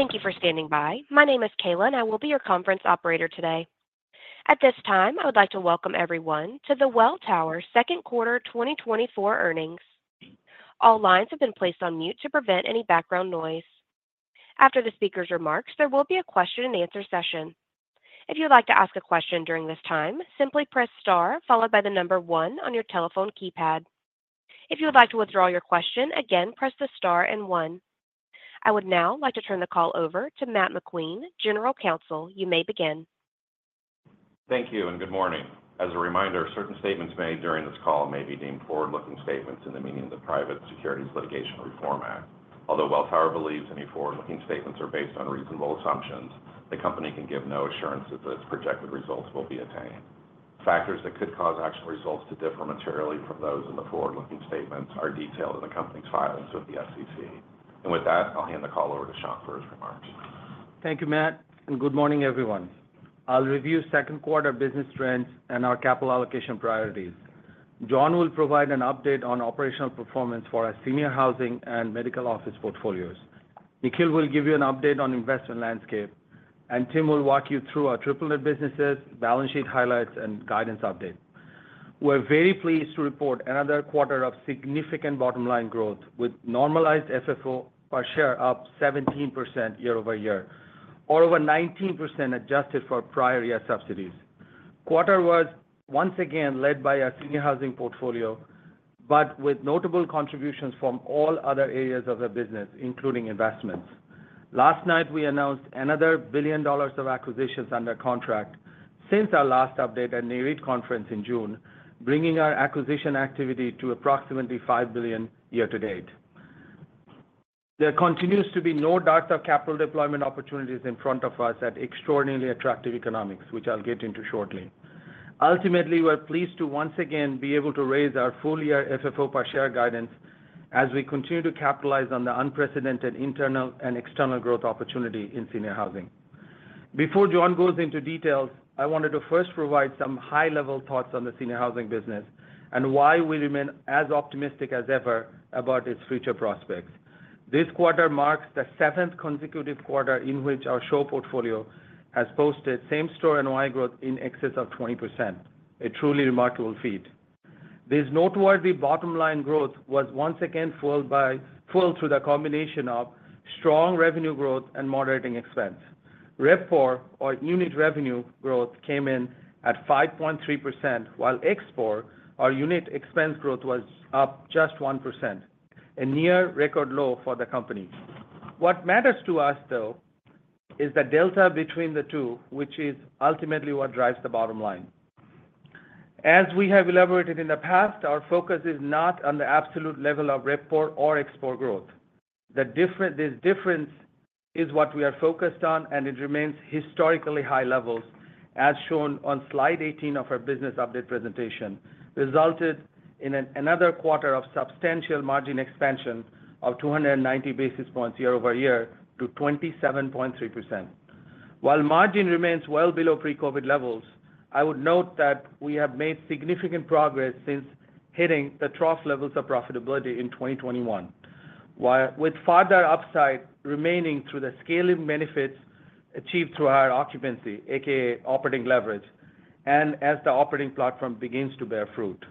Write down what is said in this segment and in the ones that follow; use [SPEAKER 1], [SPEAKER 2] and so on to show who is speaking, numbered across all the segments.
[SPEAKER 1] Thank you for standing by. My name is Kayla, and I will be your conference operator today. At this time, I would like to welcome everyone to the Welltower second quarter 2024 earnings. All lines have been placed on mute to prevent any background noise. After the speaker's remarks, there will be a question-and-answer session. If you would like to ask a question during this time, simply press star followed by the number one on your telephone keypad. If you would like to withdraw your question, again, press the star and one. I would now like to turn the call over to Matt McQueen, General Counsel. You may begin.
[SPEAKER 2] Thank you and good morning. As a reminder, certain statements made during this call may be deemed forward-looking statements in the meaning of the Private Securities Litigation Reform Act. Although Welltower believes any forward-looking statements are based on reasonable assumptions, the company can give no assurance that its projected results will be attained. Factors that could cause actual results to differ materially from those in the forward-looking statements are detailed in the company's filings with the SEC. With that, I'll hand the call over to Shankh Mitra for his remarks.
[SPEAKER 3] Thank you, Matt, and good morning, everyone. I'll review second quarter business trends and our capital allocation priorities. John will provide an update on operational performance for our senior housing and medical office portfolios. Nikhil will give you an update on investment landscape, and Tim will walk you through our triple-net businesses, balance sheet highlights, and guidance update. We're very pleased to report another quarter of significant bottom-line growth with normalized FFO per share up 17% year-over-year, or over 19% adjusted for prior year subsidies. Quarter was once again led by our senior housing portfolio, but with notable contributions from all other areas of the business, including investments. Last night, we announced another $1 billion of acquisitions under contract since our last update at NAREIT conference in June, bringing our acquisition activity to approximately $5 billion year-to-date. There continues to be no doubt of capital deployment opportunities in front of us at extraordinarily attractive economics, which I'll get into shortly. Ultimately, we're pleased to once again be able to raise our full-year FFO per share guidance as we continue to capitalize on the unprecedented internal and external growth opportunity in senior housing. Before John goes into details, I wanted to first provide some high-level thoughts on the senior housing business and why we remain as optimistic as ever about its future prospects. This quarter marks the seventh consecutive quarter in which our SHO portfolio has posted same-store NOI growth in excess of 20%. A truly remarkable feat. This noteworthy bottom-line growth was once again fueled through the combination of strong revenue growth and moderating expense. RevPOR, or unit revenue growth, came in at 5.3%, while ExpPOR, or unit expense growth, was up just 1%, a near record low for the company. What matters to us, though, is the delta between the two, which is ultimately what drives the bottom line. As we have elaborated in the past, our focus is not on the absolute level of RevPOR or ExpPOR growth. The difference is what we are focused on, and it remains historically high levels, as shown on slide 18 of our business update presentation, resulted in another quarter of substantial margin expansion of 290 basis points year-over-year to 27.3%. While margin remains well below pre-COVID levels, I would note that we have made significant progress since hitting the trough levels of profitability in 2021, with further upside remaining through the scaling benefits achieved through our occupancy, a.k.a. operating leverage, and as the operating platform begins to bear fruit.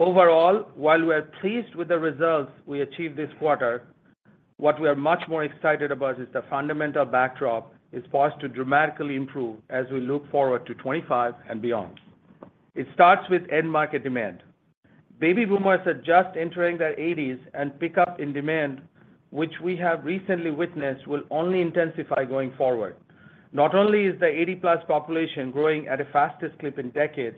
[SPEAKER 3] Overall, while we're pleased with the results we achieved this quarter, what we are much more excited about is the fundamental backdrop is forced to dramatically improve as we look forward to 2025 and beyond. It starts with end-market demand. Baby boomers are just entering their 80s and pickup in demand, which we have recently witnessed, will only intensify going forward. Not only is the 80+ population growing at a fastest clip in decades,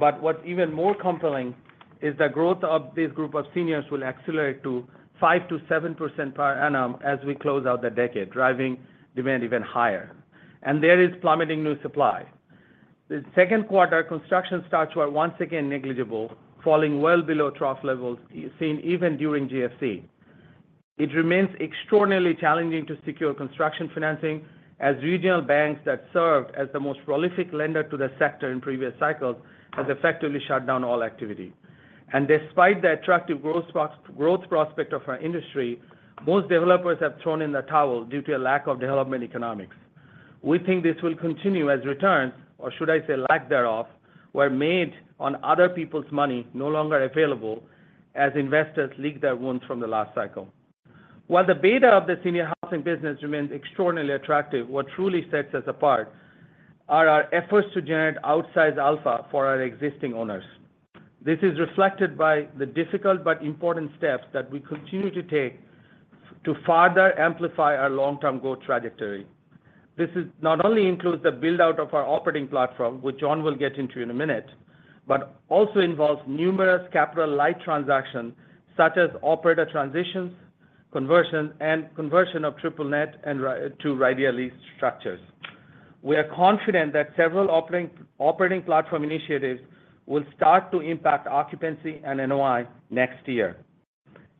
[SPEAKER 3] but what's even more compelling is the growth of this group of seniors will accelerate to 5%-7% per annum as we close out the decade, driving demand even higher. There is plummeting new supply. The second quarter construction stocks were once again negligible, falling well below trough levels seen even during GFC. It remains extraordinarily challenging to secure construction financing as regional banks that served as the most prolific lender to the sector in previous cycles have effectively shut down all activity. Despite the attractive growth prospect of our industry, most developers have thrown in the towel due to a lack of development economics. We think this will continue as returns, or should I say lack thereof, were made on other people's money no longer available as investors leak their wounds from the last cycle. While the beta of the senior housing business remains extraordinarily attractive, what truly sets us apart are our efforts to generate outsized alpha for our existing owners. This is reflected by the difficult but important steps that we continue to take to further amplify our long-term growth trajectory. This not only includes the build-out of our operating platform, which John will get into in a minute, but also involves numerous capital light transactions such as operator transitions, conversions, and conversion of triple-net to RIDEA structures. We are confident that several operating platform initiatives will start to impact occupancy and NOI next year.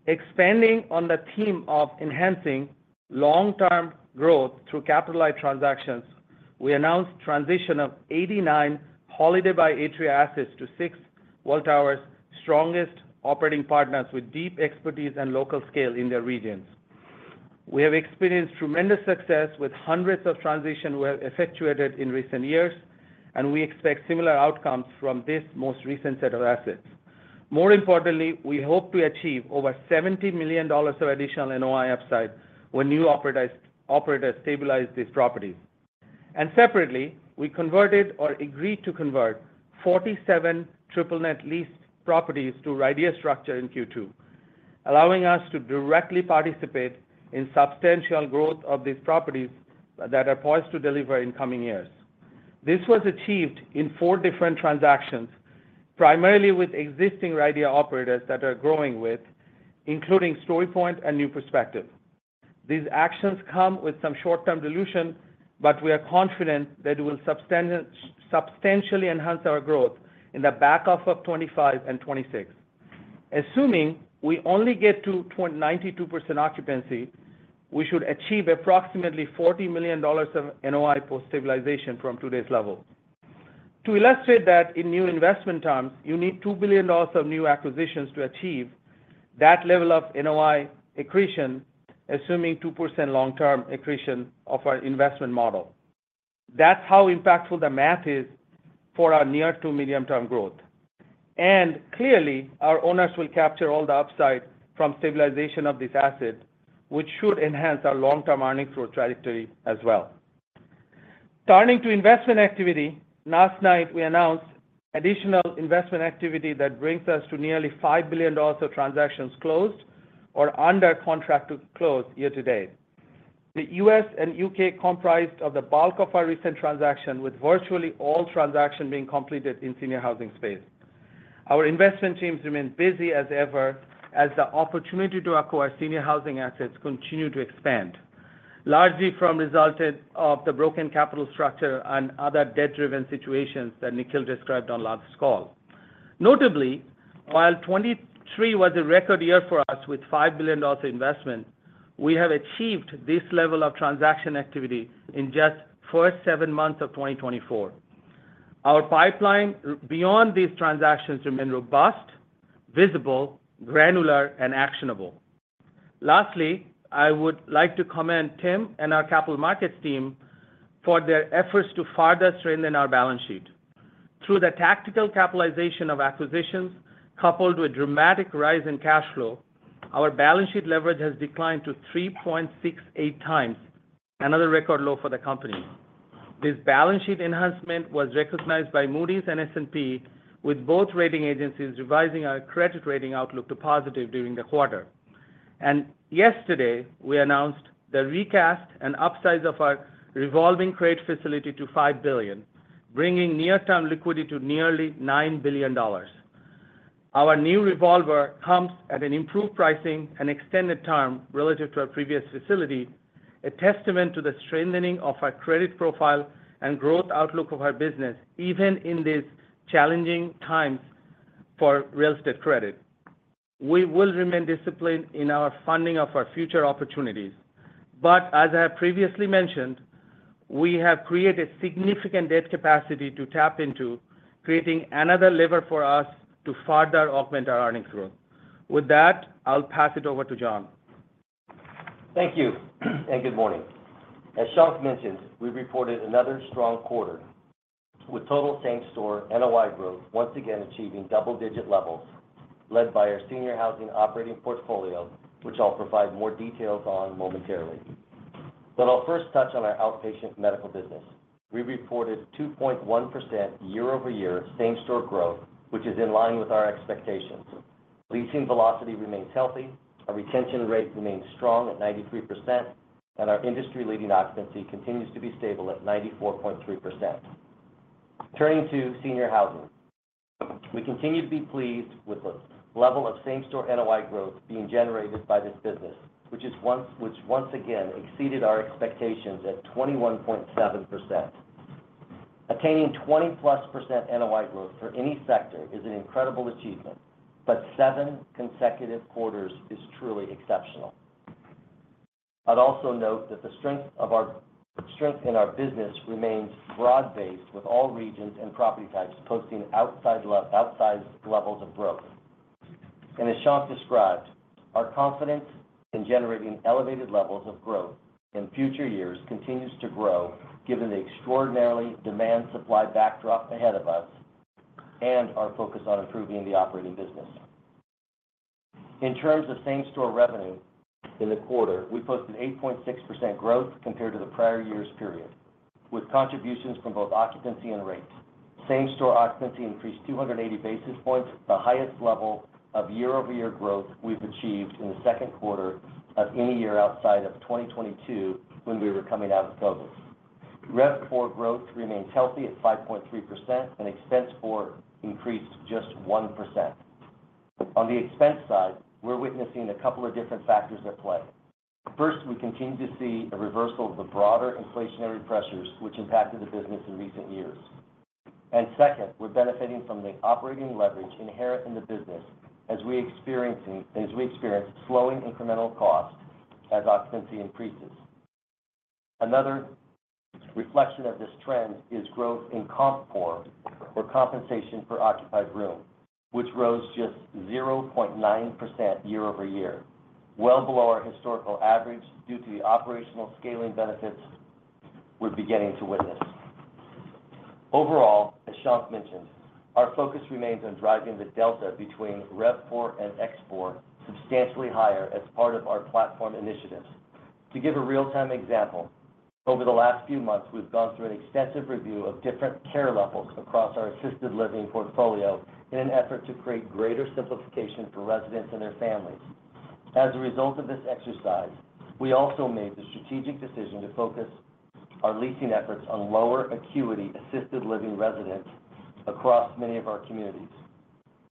[SPEAKER 3] Expanding on the theme of enhancing long-term growth through capital light transactions, we announced the transition of 89 Holiday by Atria assets to six Welltower's strongest operating partners with deep expertise and local scale in their regions. We have experienced tremendous success with hundreds of transitions we have effectuated in recent years, and we expect similar outcomes from this most recent set of assets. More importantly, we hope to achieve over $70 million of additional NOI upside when new operators stabilize these properties. And separately, we converted or agreed to convert 47 triple-net lease properties to RIDEA structure in Q2, allowing us to directly participate in substantial growth of these properties that are poised to deliver in coming years. This was achieved in four different transactions, primarily with existing RIDEA operators that are growing with, including StoryPoint and New Perspective. These actions come with some short-term dilution, but we are confident that it will substantially enhance our growth in the back of 2025 and 2026. Assuming we only get to 92% occupancy, we should achieve approximately $40 million of NOI post-stabilization from today's level. To illustrate that in new investment terms, you need $2 billion of new acquisitions to achieve that level of NOI accretion, assuming 2% long-term accretion of our investment model. That's how impactful the math is for our near-to-medium-term growth. Clearly, our owners will capture all the upside from stabilization of this asset, which should enhance our long-term earnings growth trajectory as well. Turning to investment activity, last night we announced additional investment activity that brings us to nearly $5 billion of transactions closed or under contract to close year-to-date. The U.S. and U.K. comprised the bulk of our recent transactions, with virtually all transactions being completed in the senior housing space. Our investment teams remain busy as ever as the opportunity to acquire senior housing assets continues to expand, largely resulting from the broken capital structure and other debt-driven situations that Nikhil described on last call. Notably, while 2023 was a record year for us with $5 billion of investment, we have achieved this level of transaction activity in just the first seven months of 2024. Our pipeline beyond these transactions remains robust, visible, granular, and actionable. Lastly, I would like to commend Tim and our capital markets team for their efforts to further strengthen our balance sheet. Through the tactical capitalization of acquisitions coupled with a dramatic rise in cash flow, our balance sheet leverage has declined to 3.68x, another record low for the company. This balance sheet enhancement was recognized by Moody's and S&P, with both rating agencies revising our credit rating outlook to positive during the quarter. Yesterday, we announced the recast and upsize of our revolving credit facility to $5 billion, bringing near-term liquidity to nearly $9 billion. Our new revolver comes at an improved pricing and extended term relative to our previous facility, a testament to the strengthening of our credit profile and growth outlook of our business even in these challenging times for real estate credit. We will remain disciplined in our funding of our future opportunities. But as I have previously mentioned, we have created significant debt capacity to tap into, creating another lever for us to further augment our earnings growth. With that, I'll pass it over to John.
[SPEAKER 4] Thank you and good morning. As Shankh mentioned, we reported another strong quarter with total same-store NOI growth once again achieving double-digit levels, led by our senior housing operating portfolio, which I'll provide more details on momentarily. But I'll first touch on our outpatient medical business. We reported 2.1% year-over-year same-store growth, which is in line with our expectations. Leasing velocity remains healthy. Our retention rate remains strong at 93%, and our industry-leading occupancy continues to be stable at 94.3%. Turning to senior housing, we continue to be pleased with the level of same-store NOI growth being generated by this business, which once again exceeded our expectations at 21.7%. Attaining 20+% NOI growth for any sector is an incredible achievement, but seven consecutive quarters is truly exceptional. I'd also note that the strength in our business remains broad-based with all regions and property types posting outsized levels of growth. As Shankh described, our confidence in generating elevated levels of growth in future years continues to grow given the extraordinary demand-supply backdrop ahead of us and our focus on improving the operating business. In terms of same-store revenue, in the quarter, we posted 8.6% growth compared to the prior year's period, with contributions from both occupancy and rate. Same-store occupancy increased 280 basis points, the highest level of year-over-year growth we've achieved in the second quarter of any year outside of 2022 when we were coming out of COVID. RevPOR growth remains healthy at 5.3%, and ExpPOR increased just 1%. On the expense side, we're witnessing a couple of different factors at play. First, we continue to see a reversal of the broader inflationary pressures, which impacted the business in recent years. Second, we're benefiting from the operating leverage inherent in the business as we experience slowing incremental costs as occupancy increases. Another reflection of this trend is growth in CompPOR, or compensation for occupied room, which rose just 0.9% year-over-year, well below our historical average due to the operational scaling benefits we're beginning to witness. Overall, as Shankh mentioned, our focus remains on driving the delta between RevPOR and ExpPOR substantially higher as part of our platform initiatives. To give a real-time example, over the last few months, we've gone through an extensive review of different care levels across our assisted living portfolio in an effort to create greater simplification for residents and their families. As a result of this exercise, we also made the strategic decision to focus our leasing efforts on lower acuity assisted living residents across many of our communities.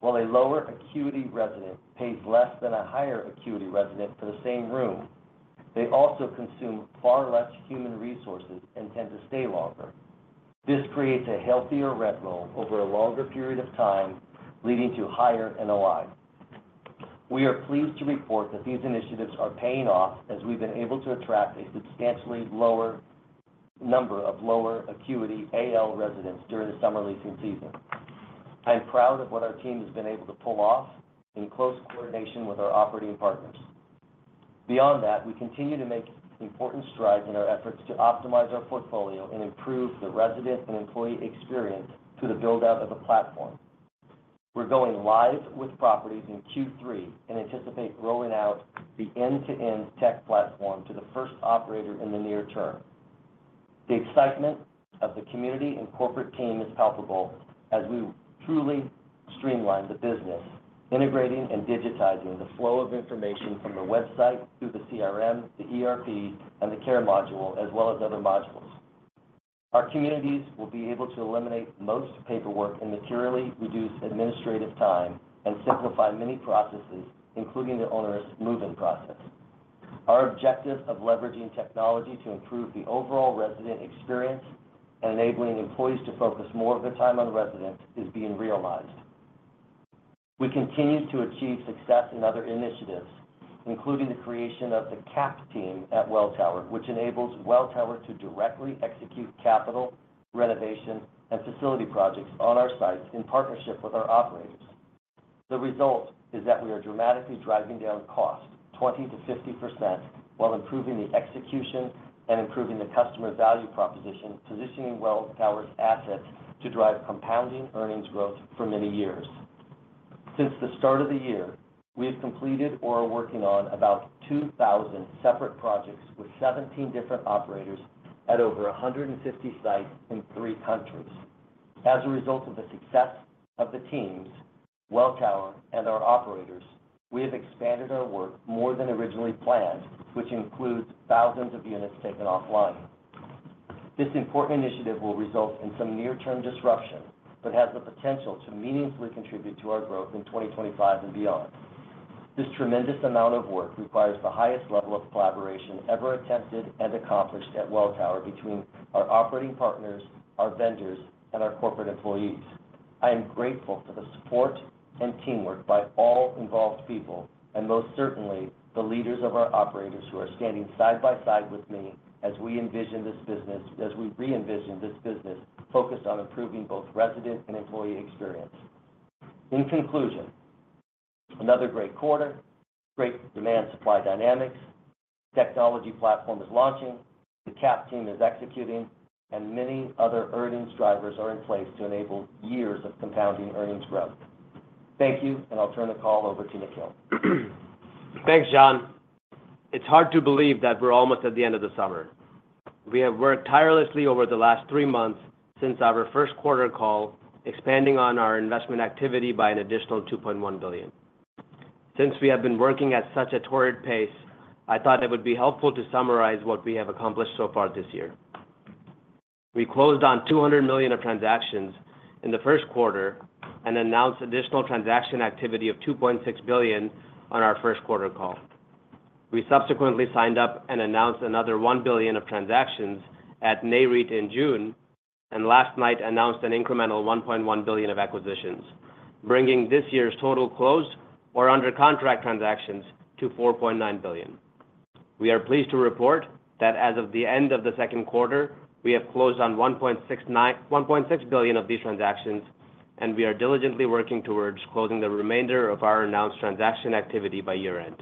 [SPEAKER 4] While a lower acuity resident pays less than a higher acuity resident for the same room, they also consume far less human resources and tend to stay longer. This creates a healthier rent roll over a longer period of time, leading to higher NOI. We are pleased to report that these initiatives are paying off as we've been able to attract a substantially lower number of lower acuity AL residents during the summer leasing season. I'm proud of what our team has been able to pull off in close coordination with our operating partners. Beyond that, we continue to make important strides in our efforts to optimize our portfolio and improve the resident and employee experience through the build-out of the platform. We're going live with properties in Q3 and anticipate rolling out the end-to-end tech platform to the first operator in the near term. The excitement of the community and corporate team is palpable as we truly streamline the business, integrating and digitizing the flow of information from the website through the CRM, the ERP, and the care module, as well as other modules. Our communities will be able to eliminate most paperwork and materially reduce administrative time and simplify many processes, including the onerous move-in process. Our objective of leveraging technology to improve the overall resident experience and enabling employees to focus more of their time on residents is being realized. We continue to achieve success in other initiatives, including the creation of the CAP Team at Welltower, which enables Welltower to directly execute capital, renovation, and facility projects on our sites in partnership with our operators. The result is that we are dramatically driving down cost, 20%-50%, while improving the execution and improving the customer value proposition, positioning Welltower's assets to drive compounding earnings growth for many years. Since the start of the year, we have completed or are working on about 2,000 separate projects with 17 different operators at over 150 sites in three countries. As a result of the success of the teams, Welltower and our operators, we have expanded our work more than originally planned, which includes thousands of units taken offline. This important initiative will result in some near-term disruption but has the potential to meaningfully contribute to our growth in 2025 and beyond. This tremendous amount of work requires the highest level of collaboration ever attempted and accomplished at Welltower between our operating partners, our vendors, and our corporate employees. I am grateful for the support and teamwork by all involved people, and most certainly the leaders of our operators who are standing side by side with me as we re-envision this business focused on improving both resident and employee experience. In conclusion, another great quarter, great demand-supply dynamics, technology platform is launching, the CAP team is executing, and many other earnings drivers are in place to enable years of compounding earnings growth. Thank you, and I'll turn the call over to Nikhil.
[SPEAKER 5] Thanks, John. It's hard to believe that we're almost at the end of the summer. We have worked tirelessly over the last three months since our first quarter call, expanding on our investment activity by an additional $2.1 billion. Since we have been working at such a torrid pace, I thought it would be helpful to summarize what we have accomplished so far this year. We closed on $200 million of transactions in the first quarter and announced additional transaction activity of $2.6 billion on our first quarter call. We subsequently signed up and announced another $1 billion of transactions at NAREIT in June, and last night announced an incremental $1.1 billion of acquisitions, bringing this year's total closed or under contract transactions to $4.9 billion. We are pleased to report that as of the end of the second quarter, we have closed on $1.6 billion of these transactions, and we are diligently working towards closing the remainder of our announced transaction activity by year-end.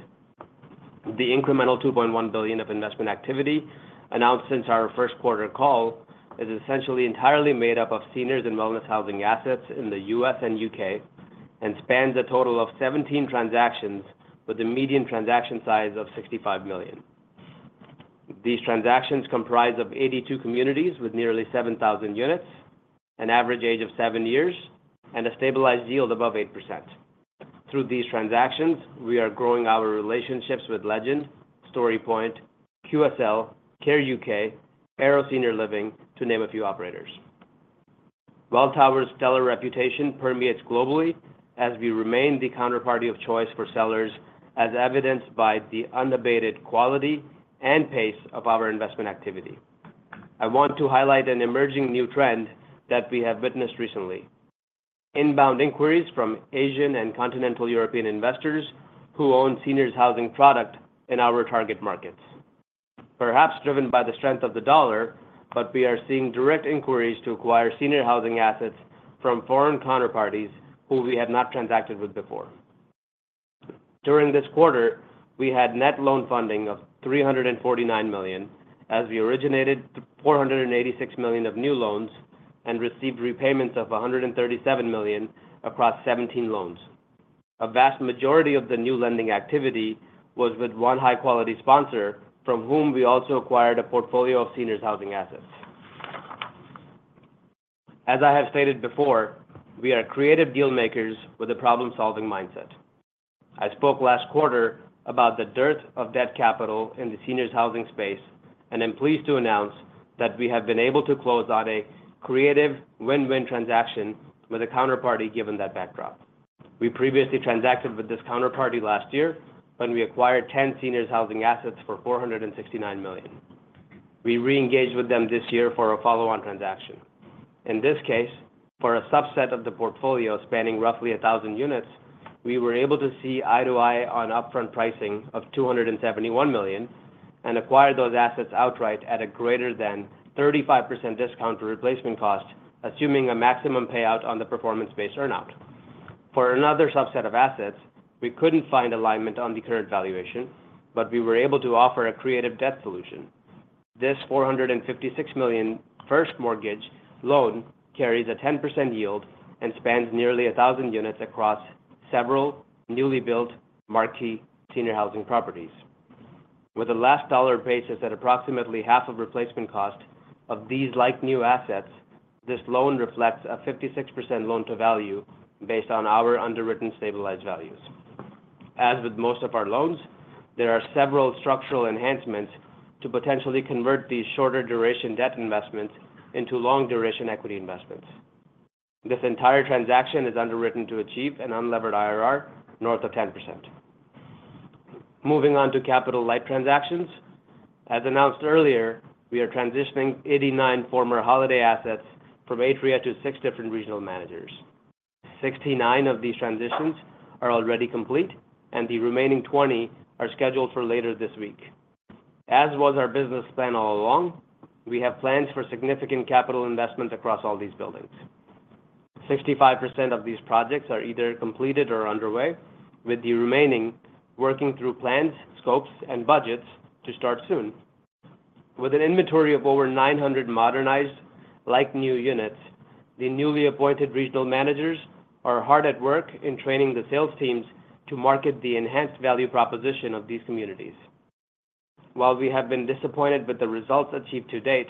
[SPEAKER 5] The incremental $2.1 billion of investment activity announced since our first quarter call is essentially entirely made up of seniors and wellness housing assets in the U.S. and U.K. and spans a total of 17 transactions with a median transaction size of $65 million. These transactions comprise of 82 communities with nearly 7,000 units, an average age of seven years, and a stabilized yield above 8%. Through these transactions, we are growing our relationships with Legend, StoryPoint, QSL, Care UK, Arrow Senior Living, to name a few operators. Welltower's stellar reputation permeates globally as we remain the counterparty of choice for sellers, as evidenced by the unabated quality and pace of our investment activity. I want to highlight an emerging new trend that we have witnessed recently: inbound inquiries from Asian and continental European investors who own seniors' housing product in our target markets. Perhaps driven by the strength of the dollar, but we are seeing direct inquiries to acquire senior housing assets from foreign counterparties who we had not transacted with before. During this quarter, we had net loan funding of $349 million, as we originated $486 million of new loans and received repayments of $137 million across 17 loans. A vast majority of the new lending activity was with one high-quality sponsor from whom we also acquired a portfolio of seniors' housing assets. As I have stated before, we are creative dealmakers with a problem-solving mindset. I spoke last quarter about the dearth of debt capital in the seniors' housing space, and I'm pleased to announce that we have been able to close on a creative win-win transaction with a counterparty given that backdrop. We previously transacted with this counterparty last year when we acquired 10 seniors' housing assets for $469 million. We re-engaged with them this year for a follow-on transaction. In this case, for a subset of the portfolio spanning roughly 1,000 units, we were able to see eye-to-eye on upfront pricing of $271 million and acquired those assets outright at a greater than 35% discount to replacement cost, assuming a maximum payout on the performance-based earnout. For another subset of assets, we couldn't find alignment on the current valuation, but we were able to offer a creative debt solution. This $456 million first mortgage loan carries a 10% yield and spans nearly 1,000 units across several newly built marquee senior housing properties. With a last dollar basis at approximately half of replacement cost of these like-new assets, this loan reflects a 56% loan-to-value based on our underwritten stabilized values. As with most of our loans, there are several structural enhancements to potentially convert these shorter-duration debt investments into long-duration equity investments. This entire transaction is underwritten to achieve an unlevered IRR north of 10%. Moving on to capital-like transactions, as announced earlier, we are transitioning 89 former Holiday assets from Atria to six different regional managers. 69 of these transitions are already complete, and the remaining 20 are scheduled for later this week. As was our business plan all along, we have plans for significant capital investments across all these buildings. 65% of these projects are either completed or underway, with the remaining working through plans, scopes, and budgets to start soon. With an inventory of over 900 modernized like-new units, the newly appointed regional managers are hard at work in training the sales teams to market the enhanced value proposition of these communities. While we have been disappointed with the results achieved to date,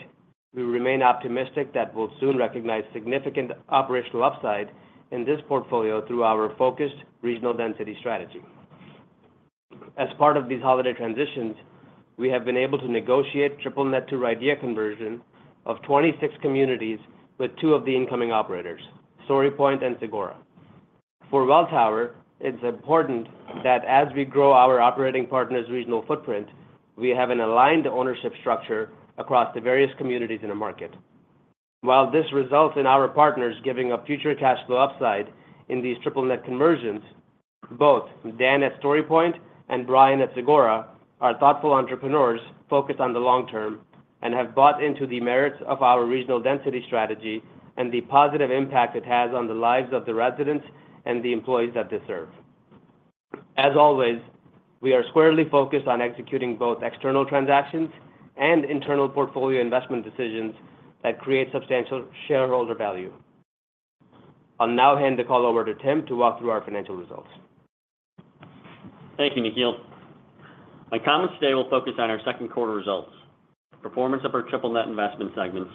[SPEAKER 5] we remain optimistic that we'll soon recognize significant operational upside in this portfolio through our focused regional density strategy. As part of these holiday transitions, we have been able to negotiate triple-net to RIDEA conversion of 26 communities with two of the incoming operators, StoryPoint and Sagora. For Welltower, it's important that as we grow our operating partners' regional footprint, we have an aligned ownership structure across the various communities in the market. While this results in our partners giving a future cash flow upside in these triple net conversions, both Dan at StoryPoint and Brian at Sagora are thoughtful entrepreneurs focused on the long term and have bought into the merits of our regional density strategy and the positive impact it has on the lives of the residents and the employees that they serve. As always, we are squarely focused on executing both external transactions and internal portfolio investment decisions that create substantial shareholder value. I'll now hand the call over to Tim to walk through our financial results.
[SPEAKER 6] Thank you, Nikhil. My comments today will focus on our second quarter results, the performance of our triple net investment segments,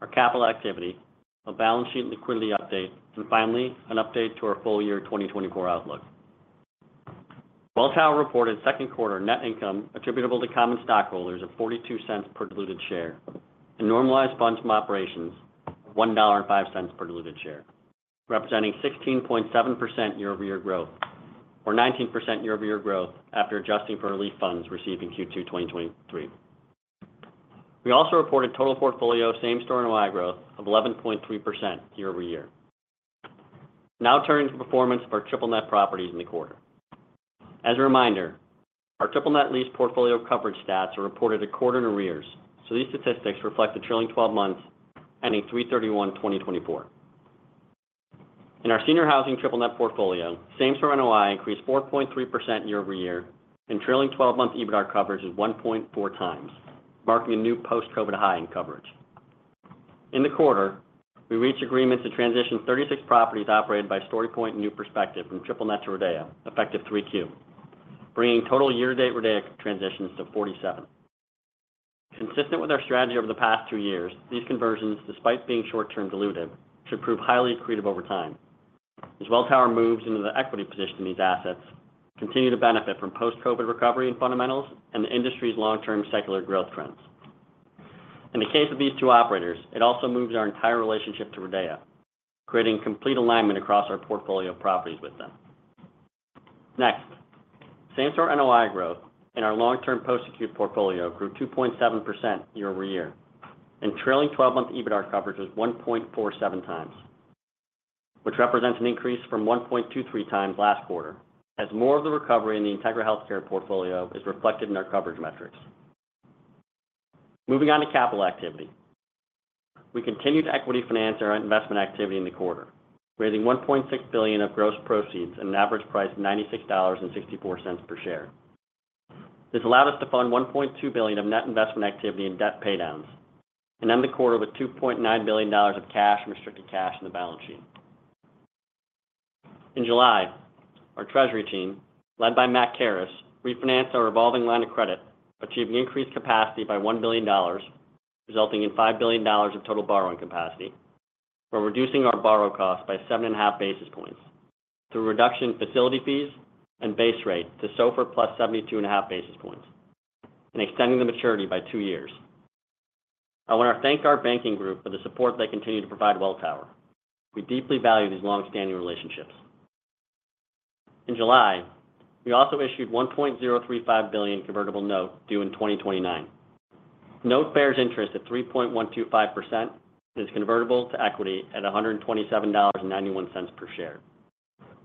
[SPEAKER 6] our capital activity, a balance sheet liquidity update, and finally, an update to our full year 2024 outlook. Welltower reported second quarter net income attributable to common stockholders of $0.42 per diluted share and normalized funds from operations of $1.05 per diluted share, representing 16.7% year-over-year growth or 19% year-over-year growth after adjusting for relief funds received in Q2 2023. We also reported total portfolio same-store NOI growth of 11.3% year-over-year. Now turning to performance of our triple net properties in the quarter. As a reminder, our triple net lease portfolio coverage stats are reported a quarter in arrears, so these statistics reflect the trailing 12 months ending 3/31/2024. In our senior housing triple net portfolio, same store NOI increased 4.3% year-over-year, and trailing 12-month EBITDA coverage is 1.4 times, marking a new post-COVID high in coverage. In the quarter, we reached agreement to transition 36 properties operated by StoryPoint and New Perspective from triple net to RIDEA, effective 3Q, bringing total year-to-date RIDEA transitions to 47. Consistent with our strategy over the past two years, these conversions, despite being short-term diluted, should prove highly accretive over time. As Welltower moves into the equity position in these assets, continue to benefit from post-COVID recovery and fundamentals and the industry's long-term secular growth trends. In the case of these two operators, it also moves our entire relationship to RIDEA, creating complete alignment across our portfolio properties with them. Next, same store NOI growth in our long-term post-acute portfolio grew 2.7% year-over-year, and trailing 12-month EBITDA coverage was 1.47 times, which represents an increase from 1.23 times last quarter, as more of the recovery in the Integra Health portfolio is reflected in our coverage metrics. Moving on to capital activity, we continued to equity finance our investment activity in the quarter, raising $1.6 billion of gross proceeds at an average price of $96.64 per share. This allowed us to fund $1.2 billion of net investment activity and debt paydowns, and end the quarter with $2.9 billion of cash and restricted cash in the balance sheet. In July, our treasury team, led by Matt Karras, refinanced our revolving line of credit, achieving increased capacity by $1 billion, resulting in $5 billion of total borrowing capacity, while reducing our borrowing cost by 7.5 basis points through reduction in facility fees and base rate to SOFR plus 72.5 basis points and extending the maturity by two years. I want to thank our banking group for the support they continue to provide Welltower. We deeply value these long-standing relationships. In July, we also issued $1.035 billion convertible note due in 2029. Note bears interest at 3.125% and is convertible to equity at $127.91 per share.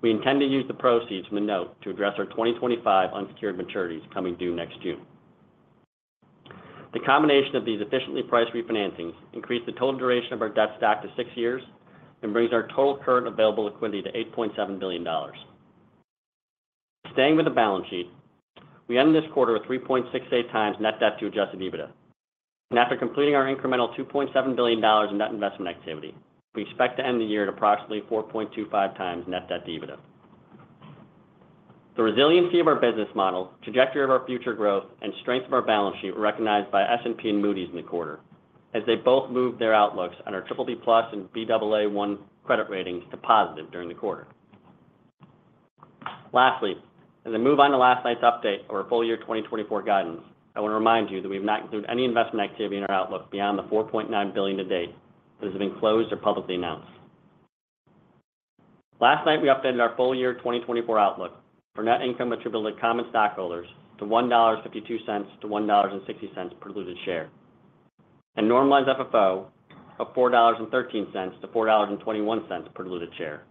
[SPEAKER 6] We intend to use the proceeds from the note to address our 2025 unsecured maturities coming due next June. The combination of these efficiently priced refinancings increased the total duration of our debt stack to 6 years and brings our total current available liquidity to $8.7 billion. Staying with the balance sheet, we end this quarter with 3.68 times net debt to adjusted EBITDA. After completing our incremental $2.7 billion of net investment activity, we expect to end the year at approximately 4.25 times net debt to EBITDA. The resiliency of our business model, trajectory of our future growth, and strength of our balance sheet were recognized by S&P and Moody's in the quarter, as they both moved their outlooks on our BBB+ and Baa1 credit ratings to positive during the quarter. Lastly, as I move on to last night's update of our full year 2024 guidance, I want to remind you that we have not included any investment activity in our outlook beyond the $4.9 billion to date that has been closed or publicly announced. Last night, we updated our full year 2024 outlook for net income attributed to common stockholders to $1.52-$1.60 per diluted share and normalized FFO of $4.13-$4.21 per diluted share,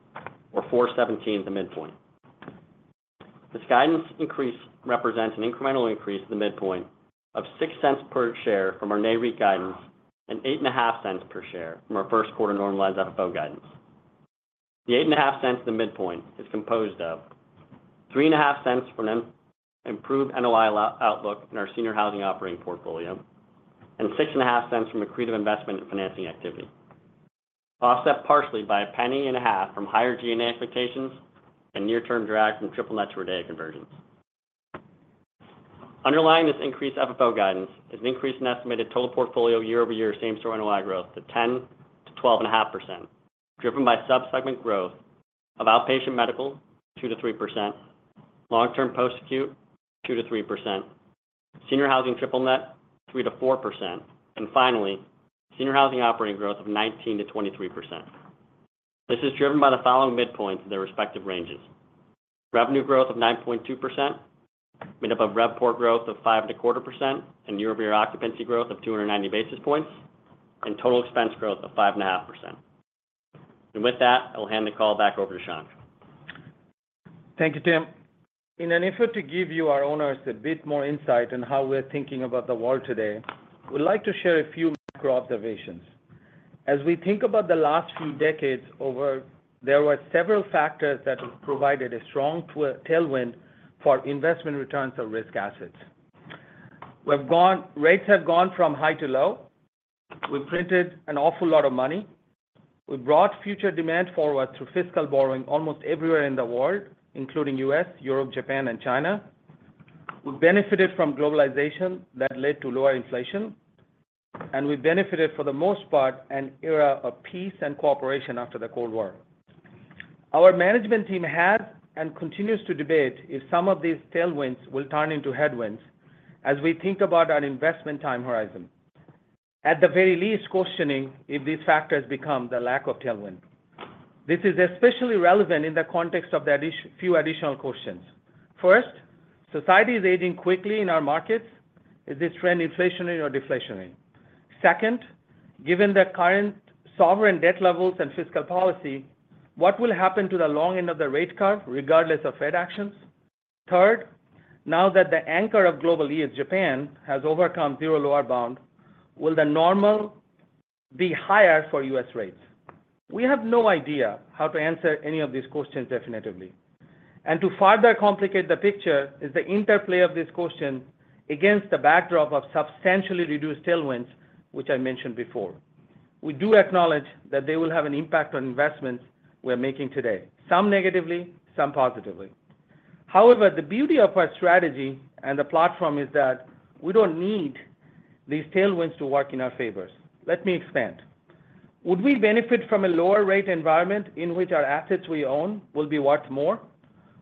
[SPEAKER 6] or $4.17 at the midpoint. This guidance increase represents an incremental increase at the midpoint of $0.06 per share from our NAREIT guidance and $0.085 per share from our first quarter normalized FFO guidance. The $0.085 at the midpoint is composed of $0.035 from improved NOI outlook in our senior housing operating portfolio and $0.065 from accretive investment and financing activity, offset partially by $0.015 from higher G&A expectations and near-term drag from triple net to RIDEA conversions. Underlying this increased FFO guidance is an increase in estimated total portfolio year-over-year same store and Y growth to 10%-12.5%, driven by subsegment growth of outpatient medical 2%-3%, long-term post-acute 2%-3%, senior housing triple net 3%-4%, and finally, senior housing operating growth of 19%-23%. This is driven by the following midpoints in their respective ranges: revenue growth of 9.2%, made up of RevPOR growth of 5.25%, and year-over-year occupancy growth of 290 basis points, and total expense growth of 5.5%. With that, I will hand the call back over to Shankh.
[SPEAKER 3] Thank you, Tim. In an effort to give you, our owners, a bit more insight on how we're thinking about the world today, we'd like to share a few macro observations. As we think about the last few decades, there were several factors that have provided a strong tailwind for investment returns of risk assets. Rates have gone from high to low. We printed an awful lot of money. We brought future demand forward through fiscal borrowing almost everywhere in the world, including the U.S., Europe, Japan, and China. We benefited from globalization that led to lower inflation, and we benefited, for the most part, an era of peace and cooperation after the Cold War. Our management team has and continues to debate if some of these tailwinds will turn into headwinds as we think about our investment time horizon, at the very least questioning if these factors become the lack of tailwind. This is especially relevant in the context of a few additional questions. First, society is aging quickly in our markets. Is this trend inflationary or deflationary? Second, given the current sovereign debt levels and fiscal policy, what will happen to the long end of the rate curve, regardless of Fed actions? Third, now that the anchor of global economy is Japan, has overcome zero lower bound, will the normal be higher for U.S. rates? We have no idea how to answer any of these questions definitively. To further complicate the picture is the interplay of this question against the backdrop of substantially reduced tailwinds, which I mentioned before. We do acknowledge that they will have an impact on investments we are making today, some negatively, some positively. However, the beauty of our strategy and the platform is that we don't need these tailwinds to work in our favors. Let me expand. Would we benefit from a lower rate environment in which our assets we own will be worth more?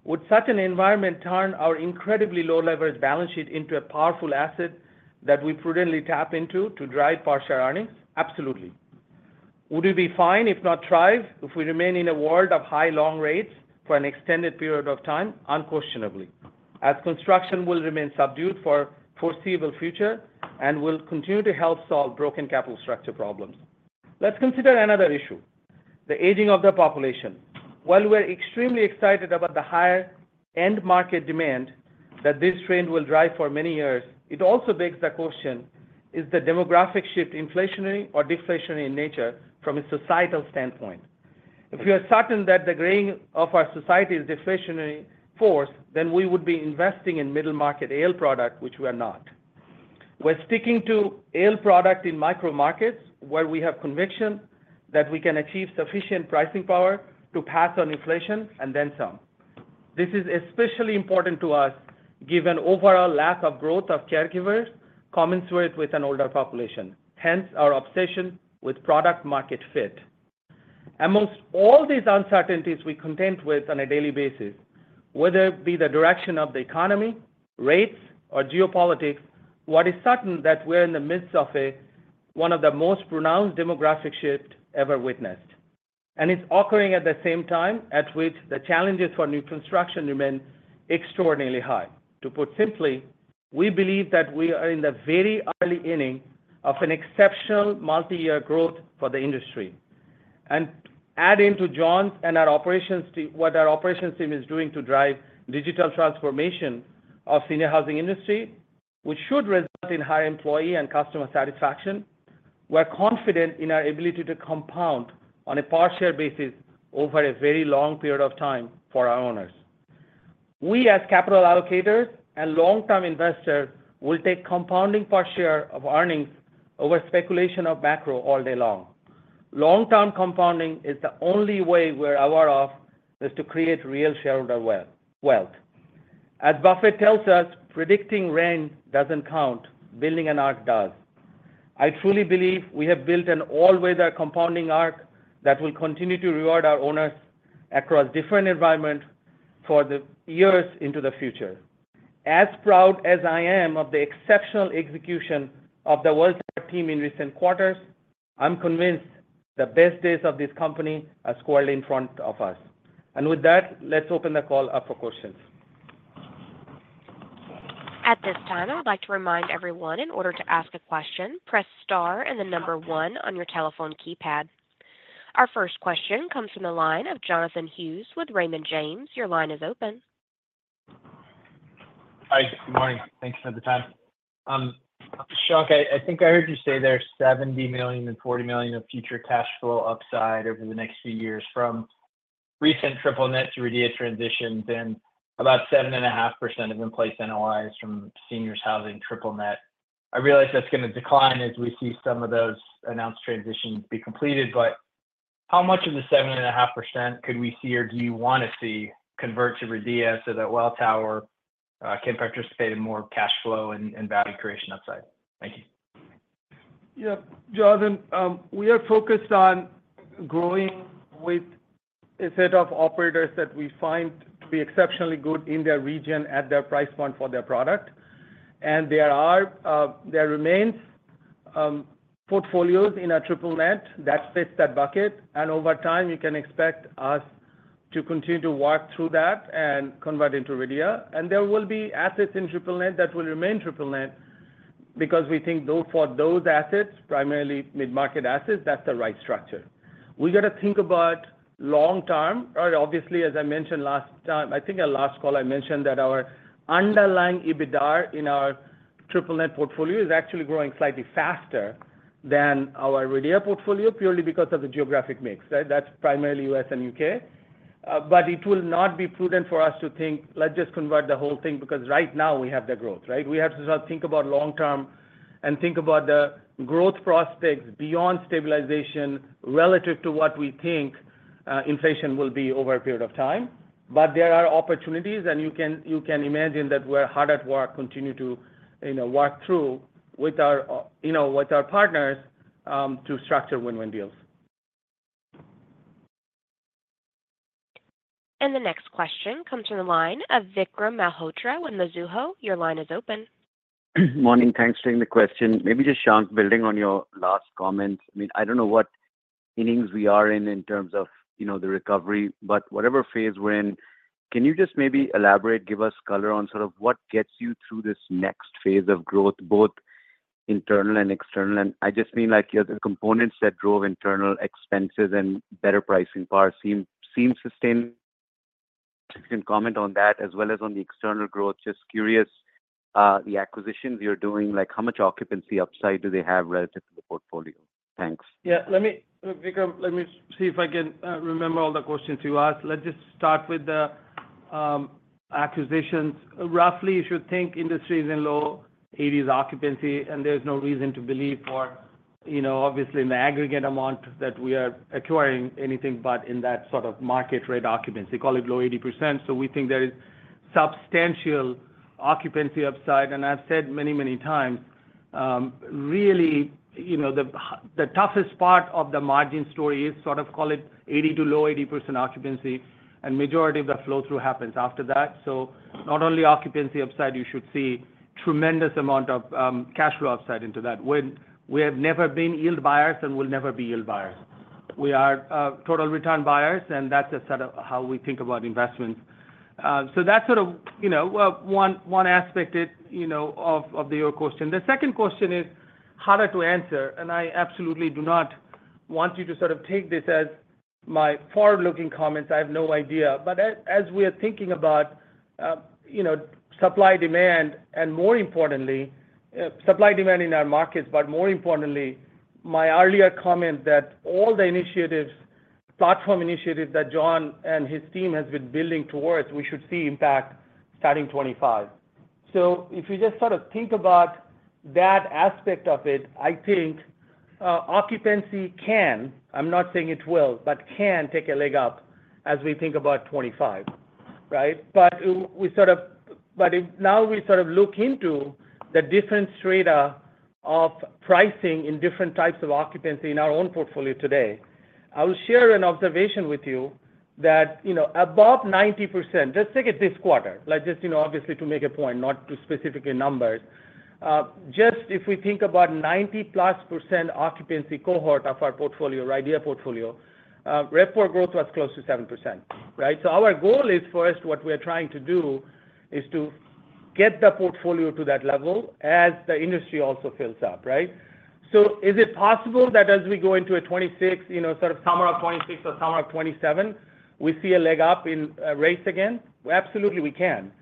[SPEAKER 3] Would such an environment turn our incredibly low-leverage balance sheet into a powerful asset that we prudently tap into to drive partial earnings? Absolutely. Would we be fine, if not thrive, if we remain in a world of high long rates for an extended period of time? Unquestionably, as construction will remain subdued for the foreseeable future and will continue to help solve broken capital structure problems. Let's consider another issue: the aging of the population. While we're extremely excited about the higher end market demand that this trend will drive for many years, it also begs the question: is the demographic shift inflationary or deflationary in nature from a societal standpoint? If we are certain that the graying of our society is deflationary force, then we would be investing in middle market AL product, which we are not. We're sticking to AL product in micro markets where we have conviction that we can achieve sufficient pricing power to pass on inflation and then some. This is especially important to us given the overall lack of growth of caregivers commensurate with an older population, hence our obsession with product-market fit. Among all these uncertainties we contend with on a daily basis, whether it be the direction of the economy, rates, or geopolitics, what is certain is that we're in the midst of one of the most pronounced demographic shifts ever witnessed. It's occurring at the same time at which the challenges for new construction remain extraordinarily high. To put simply, we believe that we are in the very early inning of an exceptional multi-year growth for the industry. Adding to John and our operations, what our operations team is doing to drive digital transformation of the senior housing industry, which should result in higher employee and customer satisfaction, we're confident in our ability to compound on a partial basis over a very long period of time for our owners. We, as capital allocators and long-term investors, will take compounding power of earnings over speculation of macro all day long. Long-term compounding is the only way we're aware of to create real shareholder wealth. As Buffett tells us, "Predicting rain doesn't count. Building an ark does." I truly believe we have built an all-weather compounding ark that will continue to reward our owners across different environments for the years into the future. As proud as I am of the exceptional execution of the Welltower team in recent quarters, I'm convinced the best days of this company are squared in front of us. With that, let's open the call up for questions.
[SPEAKER 1] At this time, I would like to remind everyone, in order to ask a question, press star and the number one on your telephone keypad. Our first question comes from the line of Jonathan Hughes with Raymond James. Your line is open.
[SPEAKER 7] Hi. Good morning. Thanks for the time. Shankh, I think I heard you say there's $70 million and $40 million of future cash flow upside over the next few years from recent triple-net to RIDEA transitions, and about 7.5% of in-place NOIs from seniors housing triple-net. I realize that's going to decline as we see some of those announced transitions be completed, but how much of the 7.5% could we see, or do you want to see, convert to RIDEA so that Welltower can participate in more cash flow and value creation upside? Thank you.
[SPEAKER 3] Yep. Jonathan, we are focused on growing with a set of operators that we find to be exceptionally good in their region at their price point for their product. There are portfolios in a triple-net that fit that bucket. Over time, you can expect us to continue to work through that and convert into RIDEA. There will be assets in triple-net that will remain triple-net because we think for those assets, primarily mid-market assets, that's the right structure. We got to think about long term. Obviously, as I mentioned last time, I think our last call, I mentioned that our underlying EBITDA in our triple-net portfolio is actually growing slightly faster than our RIDEA portfolio purely because of the geographic mix. That's primarily US and UK. It will not be prudent for us to think, "Let's just convert the whole thing," because right now we have the growth. We have to start thinking about long term and think about the growth prospects beyond stabilization relative to what we think inflation will be over a period of time. There are opportunities, and you can imagine that we're hard at work, continue to work through with our partners to structure win-win deals.
[SPEAKER 1] The next question comes from the line of Vikram Malhotra with Mizuho. Your line is open.
[SPEAKER 8] Morning. Thanks for the question. Maybe just, Shankh, building on your last comment. I mean, I don't know what innings we are in in terms of the recovery, but whatever phase we're in, can you just maybe elaborate, give us color on sort of what gets you through this next phase of growth, both internal and external? And I just mean the components that drove internal expenses and better pricing power seem sustainable. You can comment on that as well as on the external growth. Just curious, the acquisitions you're doing, how much occupancy upside do they have relative to the portfolio? Thanks.
[SPEAKER 3] Yeah. Let me see if I can remember all the questions you asked. Let's just start with the acquisitions. Roughly, you should think industry is in low 80s occupancy, and there's no reason to believe for, obviously, in the aggregate amount that we are acquiring, anything but in that sort of market rate occupancy. Call it low 80%. So we think there is substantial occupancy upside. And I've said many, many times, really, the toughest part of the margin story is sort of call it 80%-low 80% occupancy, and majority of the flow-through happens after that. So not only occupancy upside, you should see a tremendous amount of cash flow upside into that. We have never been yield buyers and will never be yield buyers. We are total return buyers, and that's a set of how we think about investments. So that's sort of one aspect of your question. The second question is harder to answer, and I absolutely do not want you to sort of take this as my forward-looking comments. I have no idea. But as we are thinking about supply demand and, more importantly, supply demand in our markets, but more importantly, my earlier comment that all the platform initiatives that John and his team have been building towards, we should see impact starting 2025. So if you just sort of think about that aspect of it, I think occupancy can-I'm not saying it will-but can take a leg up as we think about 2025, right? But now we sort of look into the different strata of pricing in different types of occupancy in our own portfolio today. I will share an observation with you that above 90%, let's take it this quarter, just obviously to make a point, not to specifically numbers, just if we think about 90+ percent occupancy cohort of our RIDEA portfolio, RevPOR growth was close to 7%, right? So our goal is, first, what we are trying to do is to get the portfolio to that level as the industry also fills up, right? So is it possible that as we go into a 2026, sort of summer of 2026 or summer of 2027, we see a leg up in rates again? Absolutely, we can.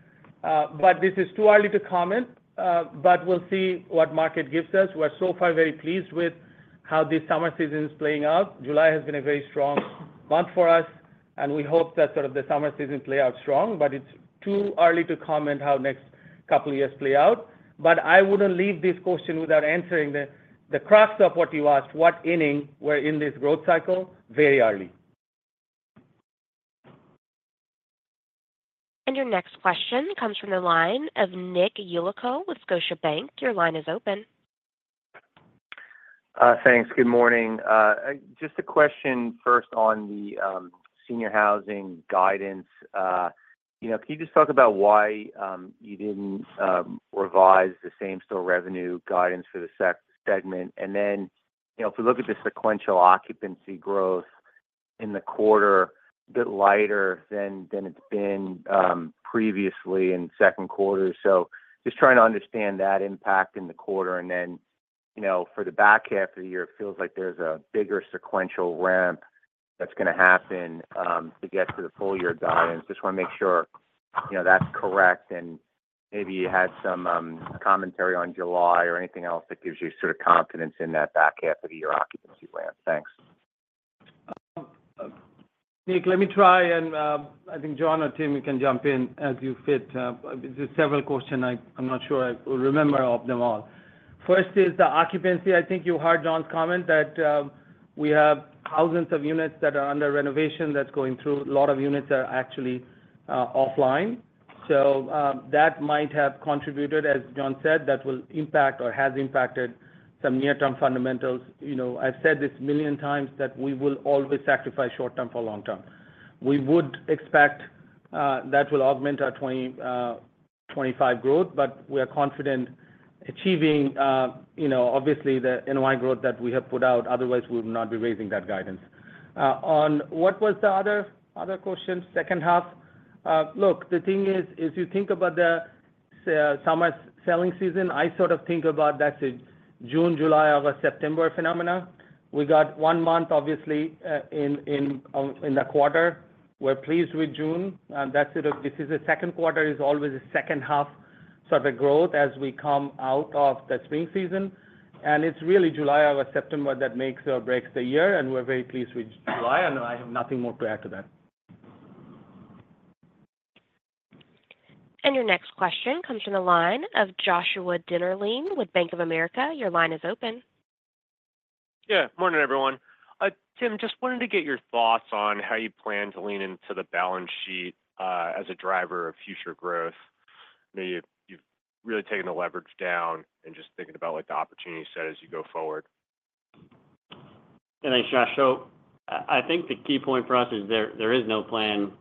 [SPEAKER 3] But this is too early to comment, but we'll see what market gives us. We're so far very pleased with how this summer season is playing out. July has been a very strong month for us, and we hope that sort of the summer season plays out strong, but it's too early to comment on how next couple of years play out. But I wouldn't leave this question without answering the crux of what you asked: what inning we're in this growth cycle? Very early.
[SPEAKER 1] Your next question comes from the line of Nick Yulico with Scotiabank. Your line is open.
[SPEAKER 9] Thanks. Good morning. Just a question first on the senior housing guidance. Can you just talk about why you didn't revise the same store revenue guidance for the second segment? And then if we look at the sequential occupancy growth in the quarter, a bit lighter than it's been previously in second quarter. So just trying to understand that impact in the quarter. And then for the back half of the year, it feels like there's a bigger sequential ramp that's going to happen to get to the full year guidance. Just want to make sure that's correct and maybe you had some commentary on July or anything else that gives you sort of confidence in that back half of the year occupancy ramp? Thanks.
[SPEAKER 3] Nick, let me try, and I think John or Tim, you can jump in as you fit. There's several questions I'm not sure I remember of them all. First is the occupancy. I think you heard John's comment that we have thousands of units that are under renovation that's going through. A lot of units are actually offline. So that might have contributed, as John said, that will impact or has impacted some near-term fundamentals. I've said this a million times that we will always sacrifice short term for long term. We would expect that will augment our 2025 growth, but we are confident achieving, obviously, the NOI growth that we have put out. Otherwise, we would not be raising that guidance. On what was the other question, second half? Look, the thing is, if you think about the summer selling season, I sort of think about that's a June, July, August, September phenomenon. We got one month, obviously, in the quarter. We're pleased with June. This is the second quarter. It's always a second half sort of growth as we come out of the spring season. It's really July, August, September that makes or breaks the year, and we're very pleased with July. I have nothing more to add to that.
[SPEAKER 1] Your next question comes from the line of Joshua Dennerlein with Bank of America. Your line is open.
[SPEAKER 10] Yeah. Morning, everyone. Tim, just wanted to get your thoughts on how you plan to lean into the balance sheet as a driver of future growth. You've really taken the leverage down and just thinking about the opportunity set as you go forward.
[SPEAKER 6] Thanks, Josh. So I think the key point for us is there is no plan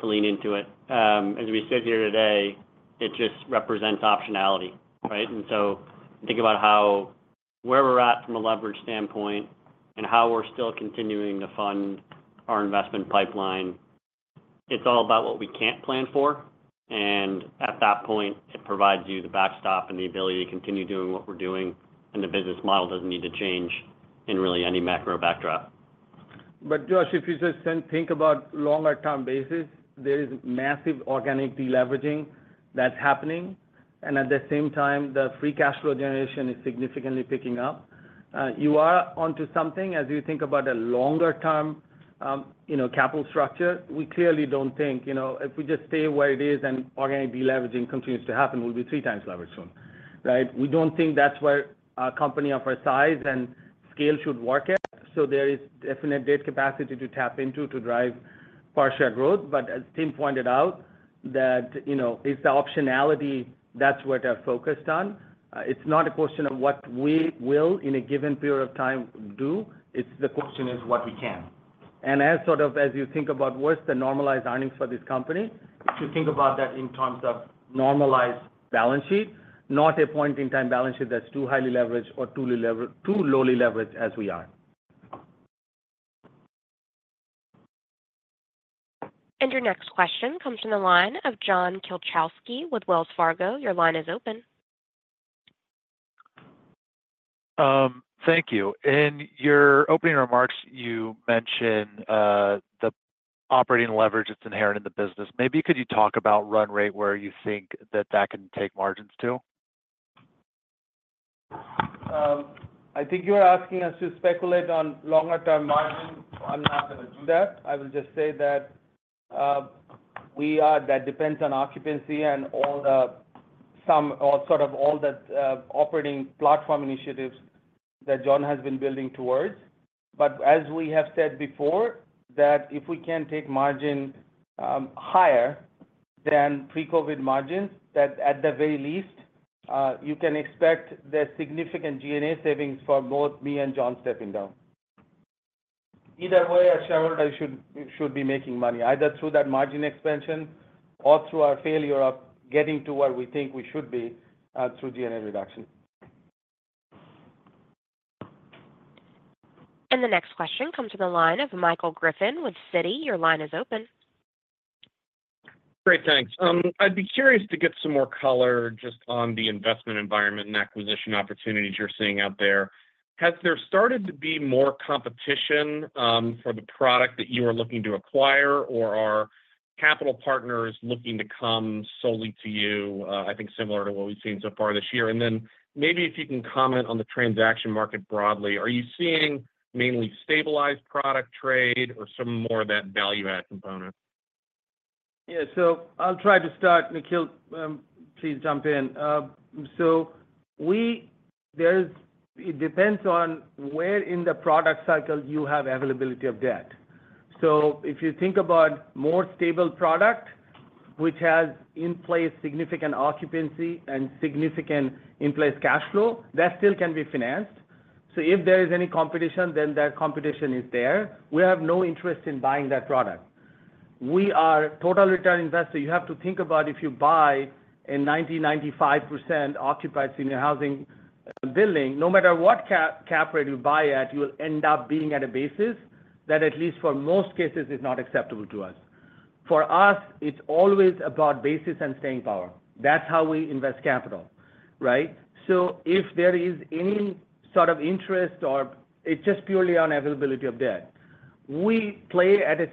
[SPEAKER 6] to lean into it. As we sit here today, it just represents optionality, right? And so think about where we're at from a leverage standpoint and how we're still continuing to fund our investment pipeline. It's all about what we can't plan for. And at that point, it provides you the backstop and the ability to continue doing what we're doing. And the business model doesn't need to change in really any macro backdrop.
[SPEAKER 3] Josh, if you just think about longer-term basis, there is massive organic deleveraging that's happening. At the same time, the free cash flow generation is significantly picking up. You are onto something as you think about a longer-term capital structure. We clearly don't think if we just stay where it is and organic deleveraging continues to happen, we'll be three times leveraged soon, right? We don't think that's where a company of our size and scale should work at. There is definite debt capacity to tap into to drive capital growth. As Tim pointed out, that is the optionality that's what they're focused on. It's not a question of what we will in a given period of time do. It's the question is what we can. As you think about what's the normalized earnings for this company, if you think about that in terms of normalized balance sheet, not a point-in-time balance sheet that's too highly leveraged or too lowly leveraged as we are.
[SPEAKER 1] Your next question comes from the line of John Kilichowski with Wells Fargo. Your line is open.
[SPEAKER 11] Thank you. In your opening remarks, you mentioned the operating leverage that's inherent in the business. Maybe could you talk about run rate where you think that that can take margins to?
[SPEAKER 3] I think you're asking us to speculate on longer-term margins. I'm not going to do that. I will just say that that depends on occupancy and sort of all the operating platform initiatives that John has been building towards. But as we have said before, that if we can take margin higher than pre-COVID margins, that at the very least, you can expect the significant G&A savings for both me and John stepping down. Either way, I shall or I should be making money either through that margin expansion or through our failure of getting to where we think we should be through G&A reduction.
[SPEAKER 1] The next question comes from the line of Michael Griffin with Citi. Your line is open.
[SPEAKER 12] Great. Thanks. I'd be curious to get some more color just on the investment environment and acquisition opportunities you're seeing out there. Has there started to be more competition for the product that you are looking to acquire, or are capital partners looking to come solely to you? I think similar to what we've seen so far this year. And then maybe if you can comment on the transaction market broadly, are you seeing mainly stabilized product trade or some more of that value-add component?
[SPEAKER 3] Yeah. So I'll try to start. Nikhil, please jump in. So it depends on where in the product cycle you have availability of debt. So if you think about more stable product, which has in place significant occupancy and significant in place cash flow, that still can be financed. So if there is any competition, then that competition is there. We have no interest in buying that product. We are total return investor. You have to think about if you buy a 90%-95% occupied senior housing building, no matter what cap rate you buy at, you will end up being at a basis that, at least for most cases, is not acceptable to us. For us, it's always about basis and staying power. That's how we invest capital, right? So if there is any sort of interest or it's just purely on availability of debt, we play at a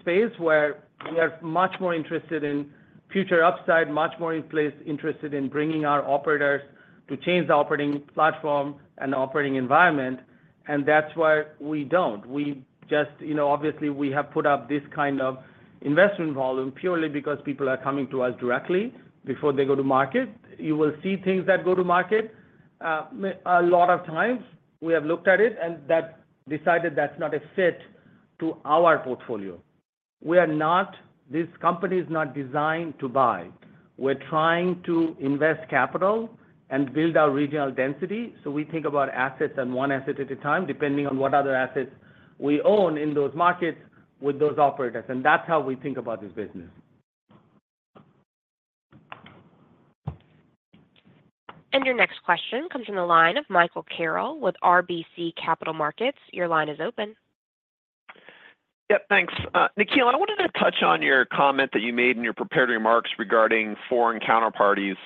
[SPEAKER 3] space where we are much more interested in future upside, much more interested in bringing our operators to change the operating platform and the operating environment. And that's why we don't. Obviously, we have put up this kind of investment volume purely because people are coming to us directly before they go to market. You will see things that go to market. A lot of times, we have looked at it and decided that's not a fit to our portfolio. This company is not designed to buy. We're trying to invest capital and build our regional density. So we think about assets and one asset at a time, depending on what other assets we own in those markets with those operators. And that's how we think about this business.
[SPEAKER 1] Your next question comes from the line of Michael Carroll with RBC Capital Markets. Your line is open.
[SPEAKER 13] Yep. Thanks. Nikhil, I wanted to touch on your comment that you made in your prepared remarks regarding foreign counterparties.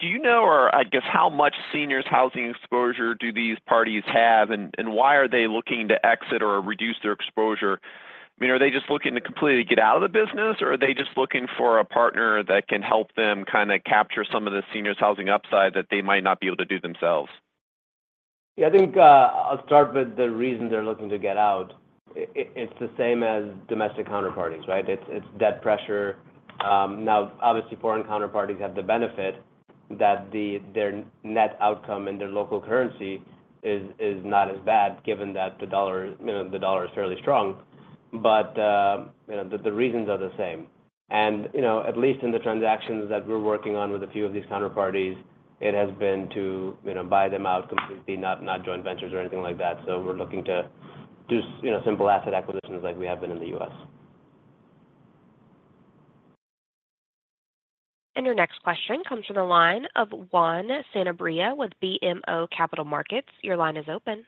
[SPEAKER 13] Do you know, or I guess, how much seniors' housing exposure do these parties have, and why are they looking to exit or reduce their exposure? I mean, are they just looking to completely get out of the business, or are they just looking for a partner that can help them kind of capture some of the seniors' housing upside that they might not be able to do themselves?
[SPEAKER 5] Yeah. I think I'll start with the reason they're looking to get out. It's the same as domestic counterparties, right? It's debt pressure. Now, obviously, foreign counterparties have the benefit that their net outcome in their local currency is not as bad given that the dollar is fairly strong. But the reasons are the same. And at least in the transactions that we're working on with a few of these counterparties, it has been to buy them out completely, not joint ventures or anything like that. So we're looking to do simple asset acquisitions like we have been in the U.S.
[SPEAKER 1] Your next question comes from the line of Juan Sanabria with BMO Capital Markets. Your line is open.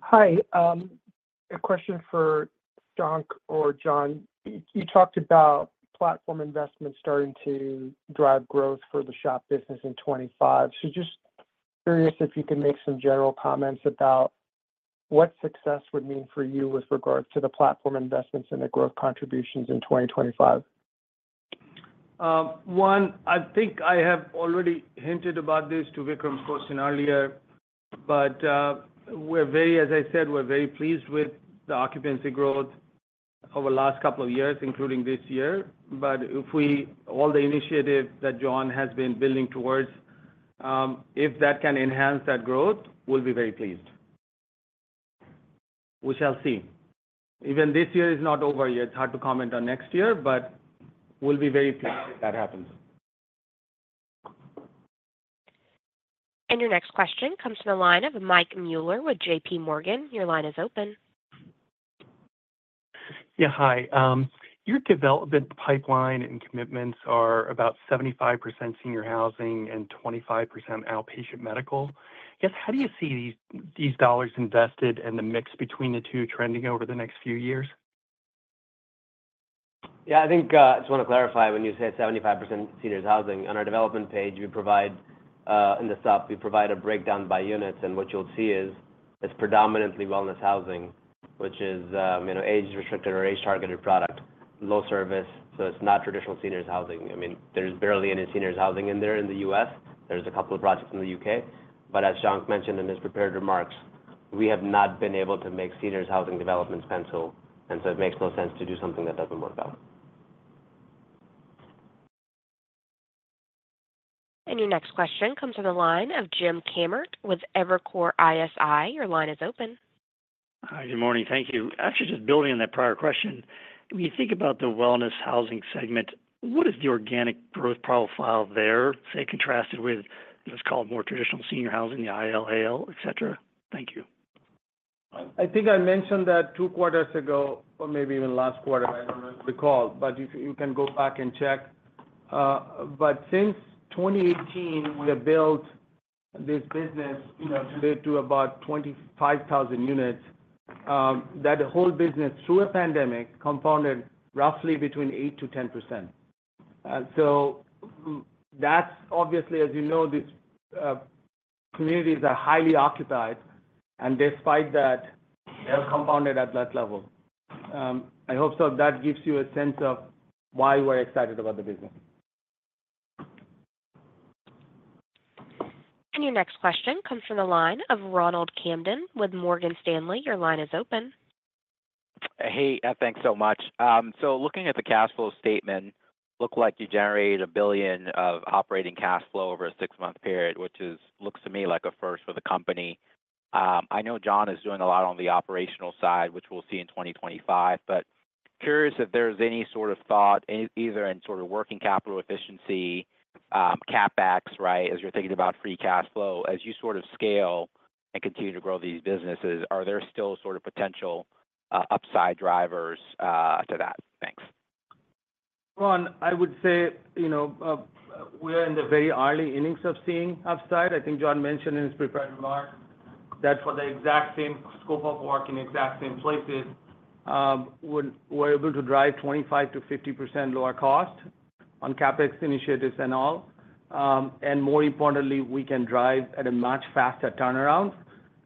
[SPEAKER 14] Hi. A question for Shankh or John. You talked about platform investments starting to drive growth for the SHO business in 2025. So just curious if you can make some general comments about what success would mean for you with regards to the platform investments and the growth contributions in 2025?
[SPEAKER 3] Juan, I think I have already hinted about this to Vikram's question earlier, but as I said, we're very pleased with the occupancy growth over the last couple of years, including this year. But all the initiative that John has been building towards, if that can enhance that growth, we'll be very pleased. We shall see. Even this year is not over yet. It's hard to comment on next year, but we'll be very pleased if that happens.
[SPEAKER 1] Your next question comes from the line of Mike Mueller with JPMorgan. Your line is open.
[SPEAKER 15] Yeah. Hi. Your development pipeline and commitments are about 75% senior housing and 25% outpatient medical. I guess, how do you see these dollars invested and the mix between the two trending over the next few years?
[SPEAKER 6] Yeah. I think I just want to clarify when you say 75% seniors' housing. On our development page, in the sub, we provide a breakdown by units. And what you'll see is it's predominantly wellness housing, which is age-restricted or age-targeted product, low service. So it's not traditional seniors' housing. I mean, there's barely any seniors' housing in there in the U.S. There's a couple of projects in the U.K. But as John mentioned in his prepared remarks, we have not been able to make seniors' housing developments pencil. And so it makes no sense to do something that doesn't work out.
[SPEAKER 1] Your next question comes from the line of Jim Kammert with Evercore ISI. Your line is open.
[SPEAKER 16] Hi. Good morning. Thank you. Actually, just building on that prior question, when you think about the wellness housing segment, what is the organic growth profile there, say, contrasted with what's called more traditional senior housing, the IL/AL, etc.? Thank you.
[SPEAKER 3] I think I mentioned that two quarters ago or maybe even last quarter. I don't recall, but you can go back and check. But since 2018, we have built this business today to about 25,000 units. That whole business, through a pandemic, compounded roughly between 8%-10%. So obviously, as you know, these communities are highly occupied. And despite that, they're compounded at that level. I hope so that gives you a sense of why we're excited about the business.
[SPEAKER 1] Your next question comes from the line of Ronald Kamdem with Morgan Stanley. Your line is open.
[SPEAKER 17] Hey. Thanks so much. So looking at the cash flow statement, it looks like you generated $1 billion of operating cash flow over a 6-month period, which looks to me like a first for the company. I know John is doing a lot on the operational side, which we'll see in 2025. But curious if there's any sort of thought either in sort of working capital efficiency, CapEx, right, as you're thinking about free cash flow. As you sort of scale and continue to grow these businesses, are there still sort of potential upside drivers to that? Thanks.
[SPEAKER 3] Juan, I would say we are in the very early innings of seeing upside. I think John mentioned in his prepared remark that for the exact same scope of work in exact same places, we're able to drive 25%-50% lower cost on CapEx initiatives and all. And more importantly, we can drive at a much faster turnaround.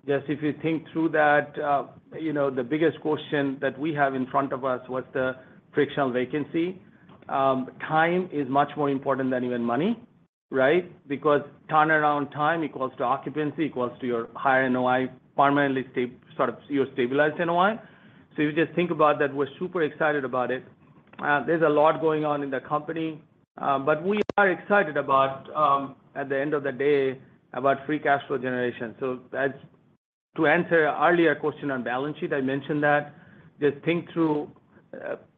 [SPEAKER 3] Just if you think through that, the biggest question that we have in front of us was the frictional vacancy. Time is much more important than even money, right? Because turnaround time equals to occupancy, equals to your higher NOI, permanently your stabilized NOI. So if you just think about that, we're super excited about it. There's a lot going on in the company. But we are excited at the end of the day about free cash flow generation. So, to answer your earlier question on balance sheet, I mentioned that. Just think through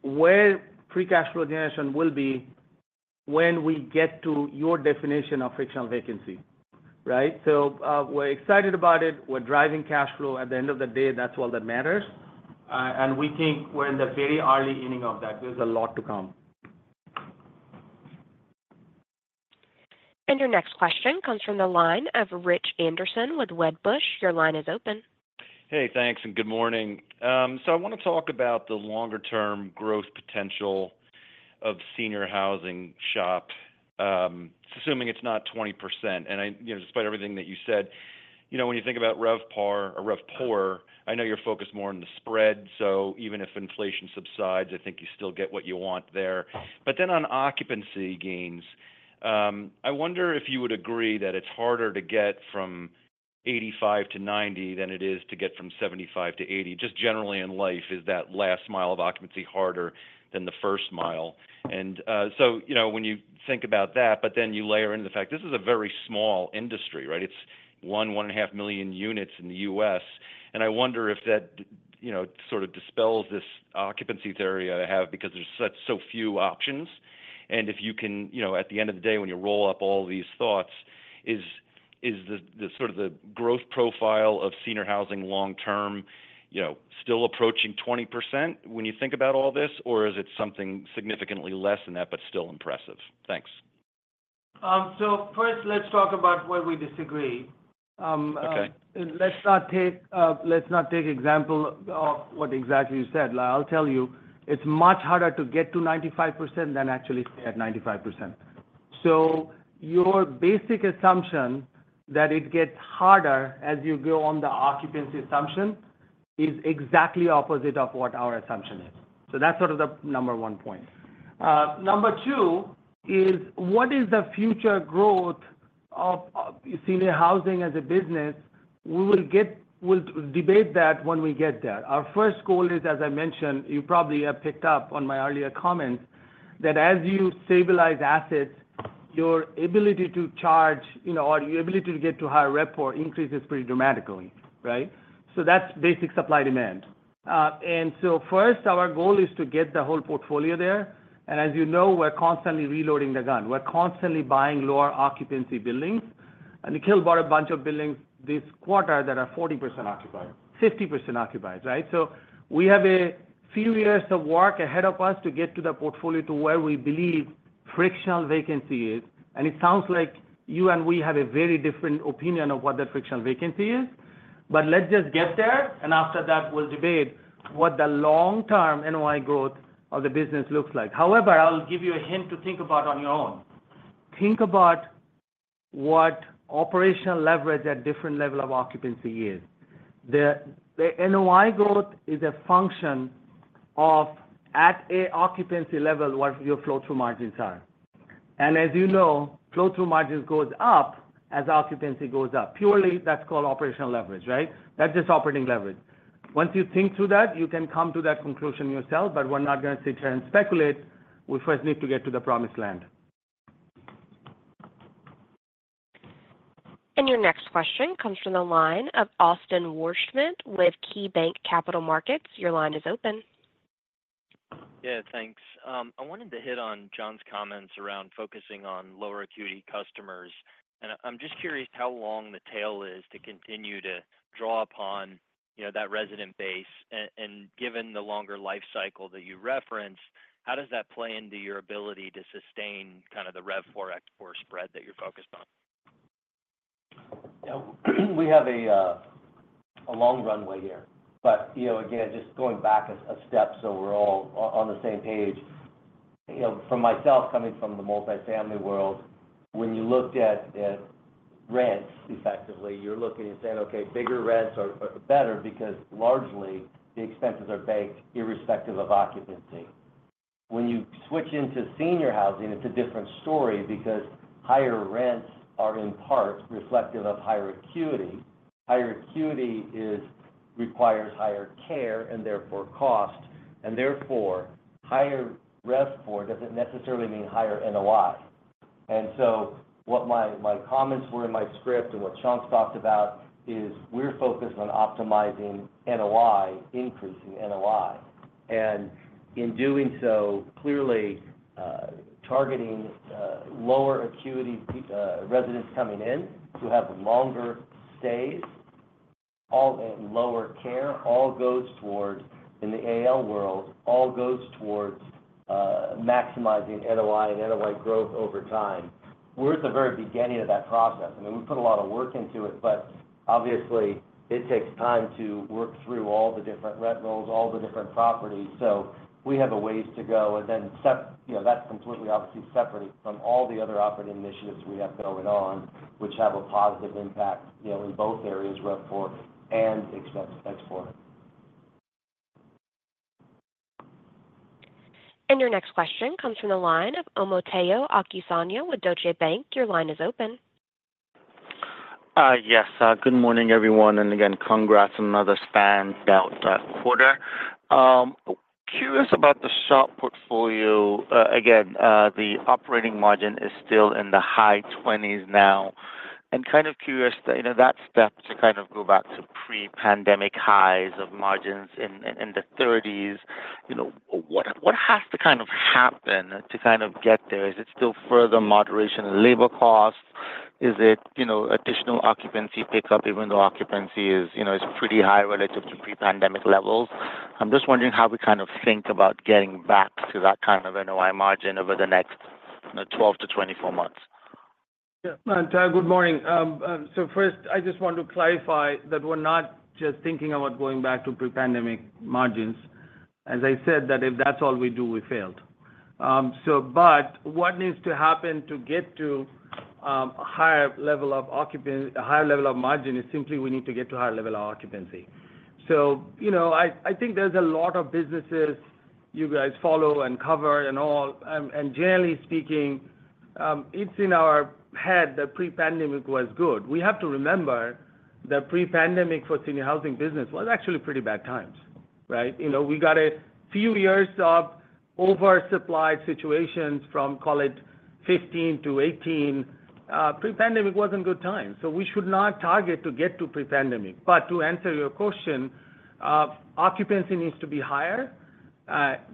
[SPEAKER 3] where free cash flow generation will be when we get to your definition of frictional vacancy, right? So, we're excited about it. We're driving cash flow. At the end of the day, that's all that matters. And we think we're in the very early inning of that. There's a lot to come.
[SPEAKER 1] Your next question comes from the line of Rich Anderson with Wedbush. Your line is open.
[SPEAKER 18] Hey. Thanks. And good morning. So I want to talk about the longer-term growth potential of senior housing SHO, assuming it's not 20%. And despite everything that you said, when you think about RevPAR or RevPOR, I know you're focused more on the spread. So even if inflation subsides, I think you still get what you want there. But then on occupancy gains, I wonder if you would agree that it's harder to get from 85%-90% than it is to get from 75%-80%. Just generally in life, is that last mile of occupancy harder than the first mile? And so when you think about that, but then you layer in the fact this is a very small industry, right? It's 1.5 million units in the U.S. I wonder if that sort of dispels this occupancy theory I have because there's so few options. If you can, at the end of the day, when you roll up all these thoughts, is sort of the growth profile of senior housing long-term still approaching 20% when you think about all this, or is it something significantly less than that but still impressive? Thanks.
[SPEAKER 3] So first, let's talk about where we disagree. Let's not take example of what exactly you said. I'll tell you, it's much harder to get to 95% than actually stay at 95%. So your basic assumption that it gets harder as you go on the occupancy assumption is exactly opposite of what our assumption is. So that's sort of the number one point. Number two is, what is the future growth of senior housing as a business? We will debate that when we get there. Our first goal is, as I mentioned, you probably have picked up on my earlier comments that as you stabilize assets, your ability to charge or your ability to get to higher RevPOR increases pretty dramatically, right? So that's basic supply demand. And so first, our goal is to get the whole portfolio there. And as you know, we're constantly reloading the gun. We're constantly buying lower occupancy buildings. And Nikhil bought a bunch of buildings this quarter that are 40% occupied, 50% occupied, right? So we have a few years of work ahead of us to get to the portfolio to where we believe frictional vacancy is. And it sounds like you and we have a very different opinion of what that frictional vacancy is. But let's just get there. And after that, we'll debate what the long-term NOI growth of the business looks like. However, I'll give you a hint to think about on your own. Think about what operational leverage at different level of occupancy is. The NOI growth is a function of, at a occupancy level, what your flow-through margins are. And as you know, flow-through margins go up as occupancy goes up. Purely, that's called operational leverage, right? That's just operating leverage. Once you think through that, you can come to that conclusion yourself. But we're not going to sit here and speculate. We first need to get to the promised land.
[SPEAKER 1] Your next question comes from the line of Austin Wurschmidt with KeyBanc Capital Markets. Your line is open.
[SPEAKER 19] Yeah. Thanks. I wanted to hit on John's comments around focusing on lower acuity customers. I'm just curious how long the tail is to continue to draw upon that resident base. Given the longer life cycle that you referenced, how does that play into your ability to sustain kind of the RevPOR, ExpPOR spread that you're focused on?
[SPEAKER 4] Yeah. We have a long runway here. But again, just going back a step so we're all on the same page. From myself, coming from the multifamily world, when you looked at rents, effectively, you're looking and saying, "Okay, bigger rents are better because largely the expenses are banked irrespective of occupancy." When you switch into senior housing, it's a different story because higher rents are in part reflective of higher acuity. Higher acuity requires higher care and therefore cost. And therefore, higher RevPOR doesn't necessarily mean higher NOI. And so what my comments were in my script and what Shankh's talked about is we're focused on optimizing NOI, increasing NOI. And in doing so, clearly targeting lower acuity residents coming in who have longer stays, all in lower care, all goes towards in the AL world, all goes towards maximizing NOI and NOI growth over time. We're at the very beginning of that process. I mean, we put a lot of work into it, but obviously, it takes time to work through all the different rent rolls, all the different properties. So we have a ways to go. And then that's completely obviously separate from all the other operating initiatives we have going on, which have a positive impact in both areas, RevPOR and ExpPOR.
[SPEAKER 1] Your next question comes from the line of Omotayo Okusanya with Deutsche Bank. Your line is open.
[SPEAKER 20] Yes. Good morning, everyone. Again, congrats on another strong quarter. Curious about the SHO portfolio. Again, the operating margin is still in the high 20s now. And kind of curious that step to kind of go back to pre-pandemic highs of margins in the 30s. What has to kind of happen to kind of get there? Is it still further moderation of labor costs? Is it additional occupancy pickup even though occupancy is pretty high relative to pre-pandemic levels? I'm just wondering how we kind of think about getting back to that kind of NOI margin over the next 12 to 24 months.
[SPEAKER 3] Yeah. Good morning. So first, I just want to clarify that we're not just thinking about going back to pre-pandemic margins. As I said, that if that's all we do, we failed. But what needs to happen to get to a higher level of margin is simply we need to get to a higher level of occupancy. So I think there's a lot of businesses you guys follow and cover and all. And generally speaking, it's in our head that pre-pandemic was good. We have to remember that pre-pandemic for senior housing business was actually pretty bad times, right? We got a few years of oversupplied situations from, call it, 2015-2018. Pre-pandemic wasn't a good time. So we should not target to get to pre-pandemic. But to answer your question, occupancy needs to be higher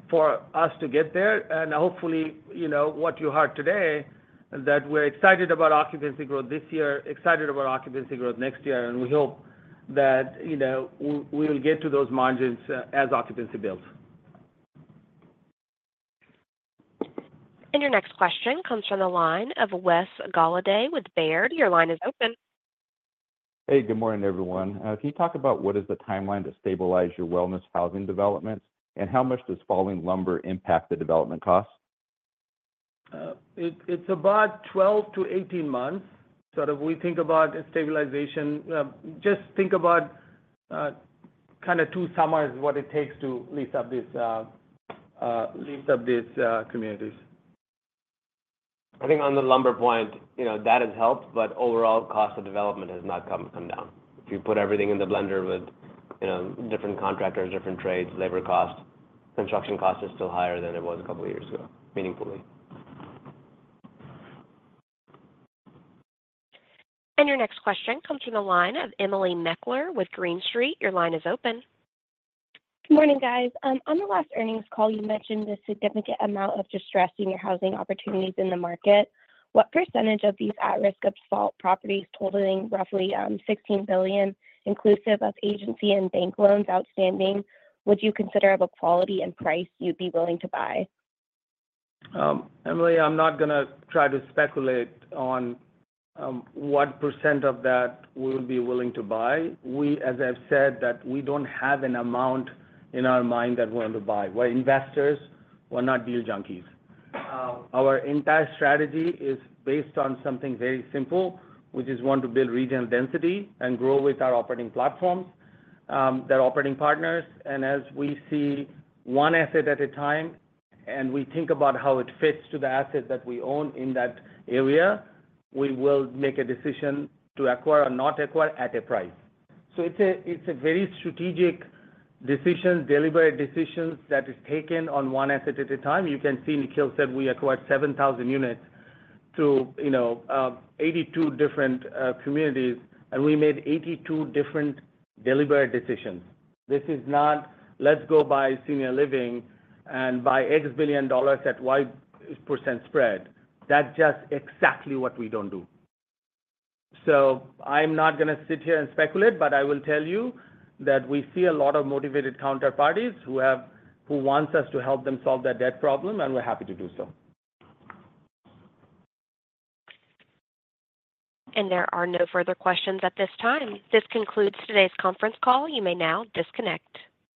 [SPEAKER 3] for us to get there. Hopefully, what you heard today, that we're excited about occupancy growth this year, excited about occupancy growth next year. We hope that we will get to those margins as occupancy builds.
[SPEAKER 1] Your next question comes from the line of Wes Golladay with Baird. Your line is open.
[SPEAKER 21] Hey. Good morning, everyone. Can you talk about what is the timeline to stabilize your wellness housing developments, and how much does falling lumber impact the development costs?
[SPEAKER 3] It's about 12-18 months. So if we think about stabilization, just think about kind of two summers, what it takes to lease up these communities.
[SPEAKER 6] I think on the lumber point, that has helped. But overall, cost of development has not come down. If you put everything in the blender with different contractors, different trades, labor costs, construction costs are still higher than it was a couple of years ago, meaningfully.
[SPEAKER 1] Your next question comes from the line of Emily Meckler with Green Street. Your line is open.
[SPEAKER 22] Good morning, guys. On the last earnings call, you mentioned the significant amount of distressed senior housing opportunities in the market. What percentage of these at-risk of fault properties totaling roughly $16 billion, inclusive of agency and bank loans outstanding, would you consider of a quality and price you'd be willing to buy?
[SPEAKER 3] Emily, I'm not going to try to speculate on what percent of that we would be willing to buy. As I've said, we don't have an amount in our mind that we're going to buy. We're investors. We're not deal junkies. Our entire strategy is based on something very simple, which is we want to build regional density and grow with our operating platforms, their operating partners. And as we see one asset at a time and we think about how it fits to the asset that we own in that area, we will make a decision to acquire or not acquire at a price. So it's a very strategic decision, deliberate decisions that are taken on one asset at a time. You can see Nikhil said we acquired 7,000 units through 82 different communities. And we made 82 different deliberate decisions. This is not, "Let's go buy senior living and buy $X billion at Y% spread." That's just exactly what we don't do. So I'm not going to sit here and speculate, but I will tell you that we see a lot of motivated counterparties who want us to help them solve their debt problem, and we're happy to do so.
[SPEAKER 1] There are no further questions at this time. This concludes today's conference call. You may now disconnect.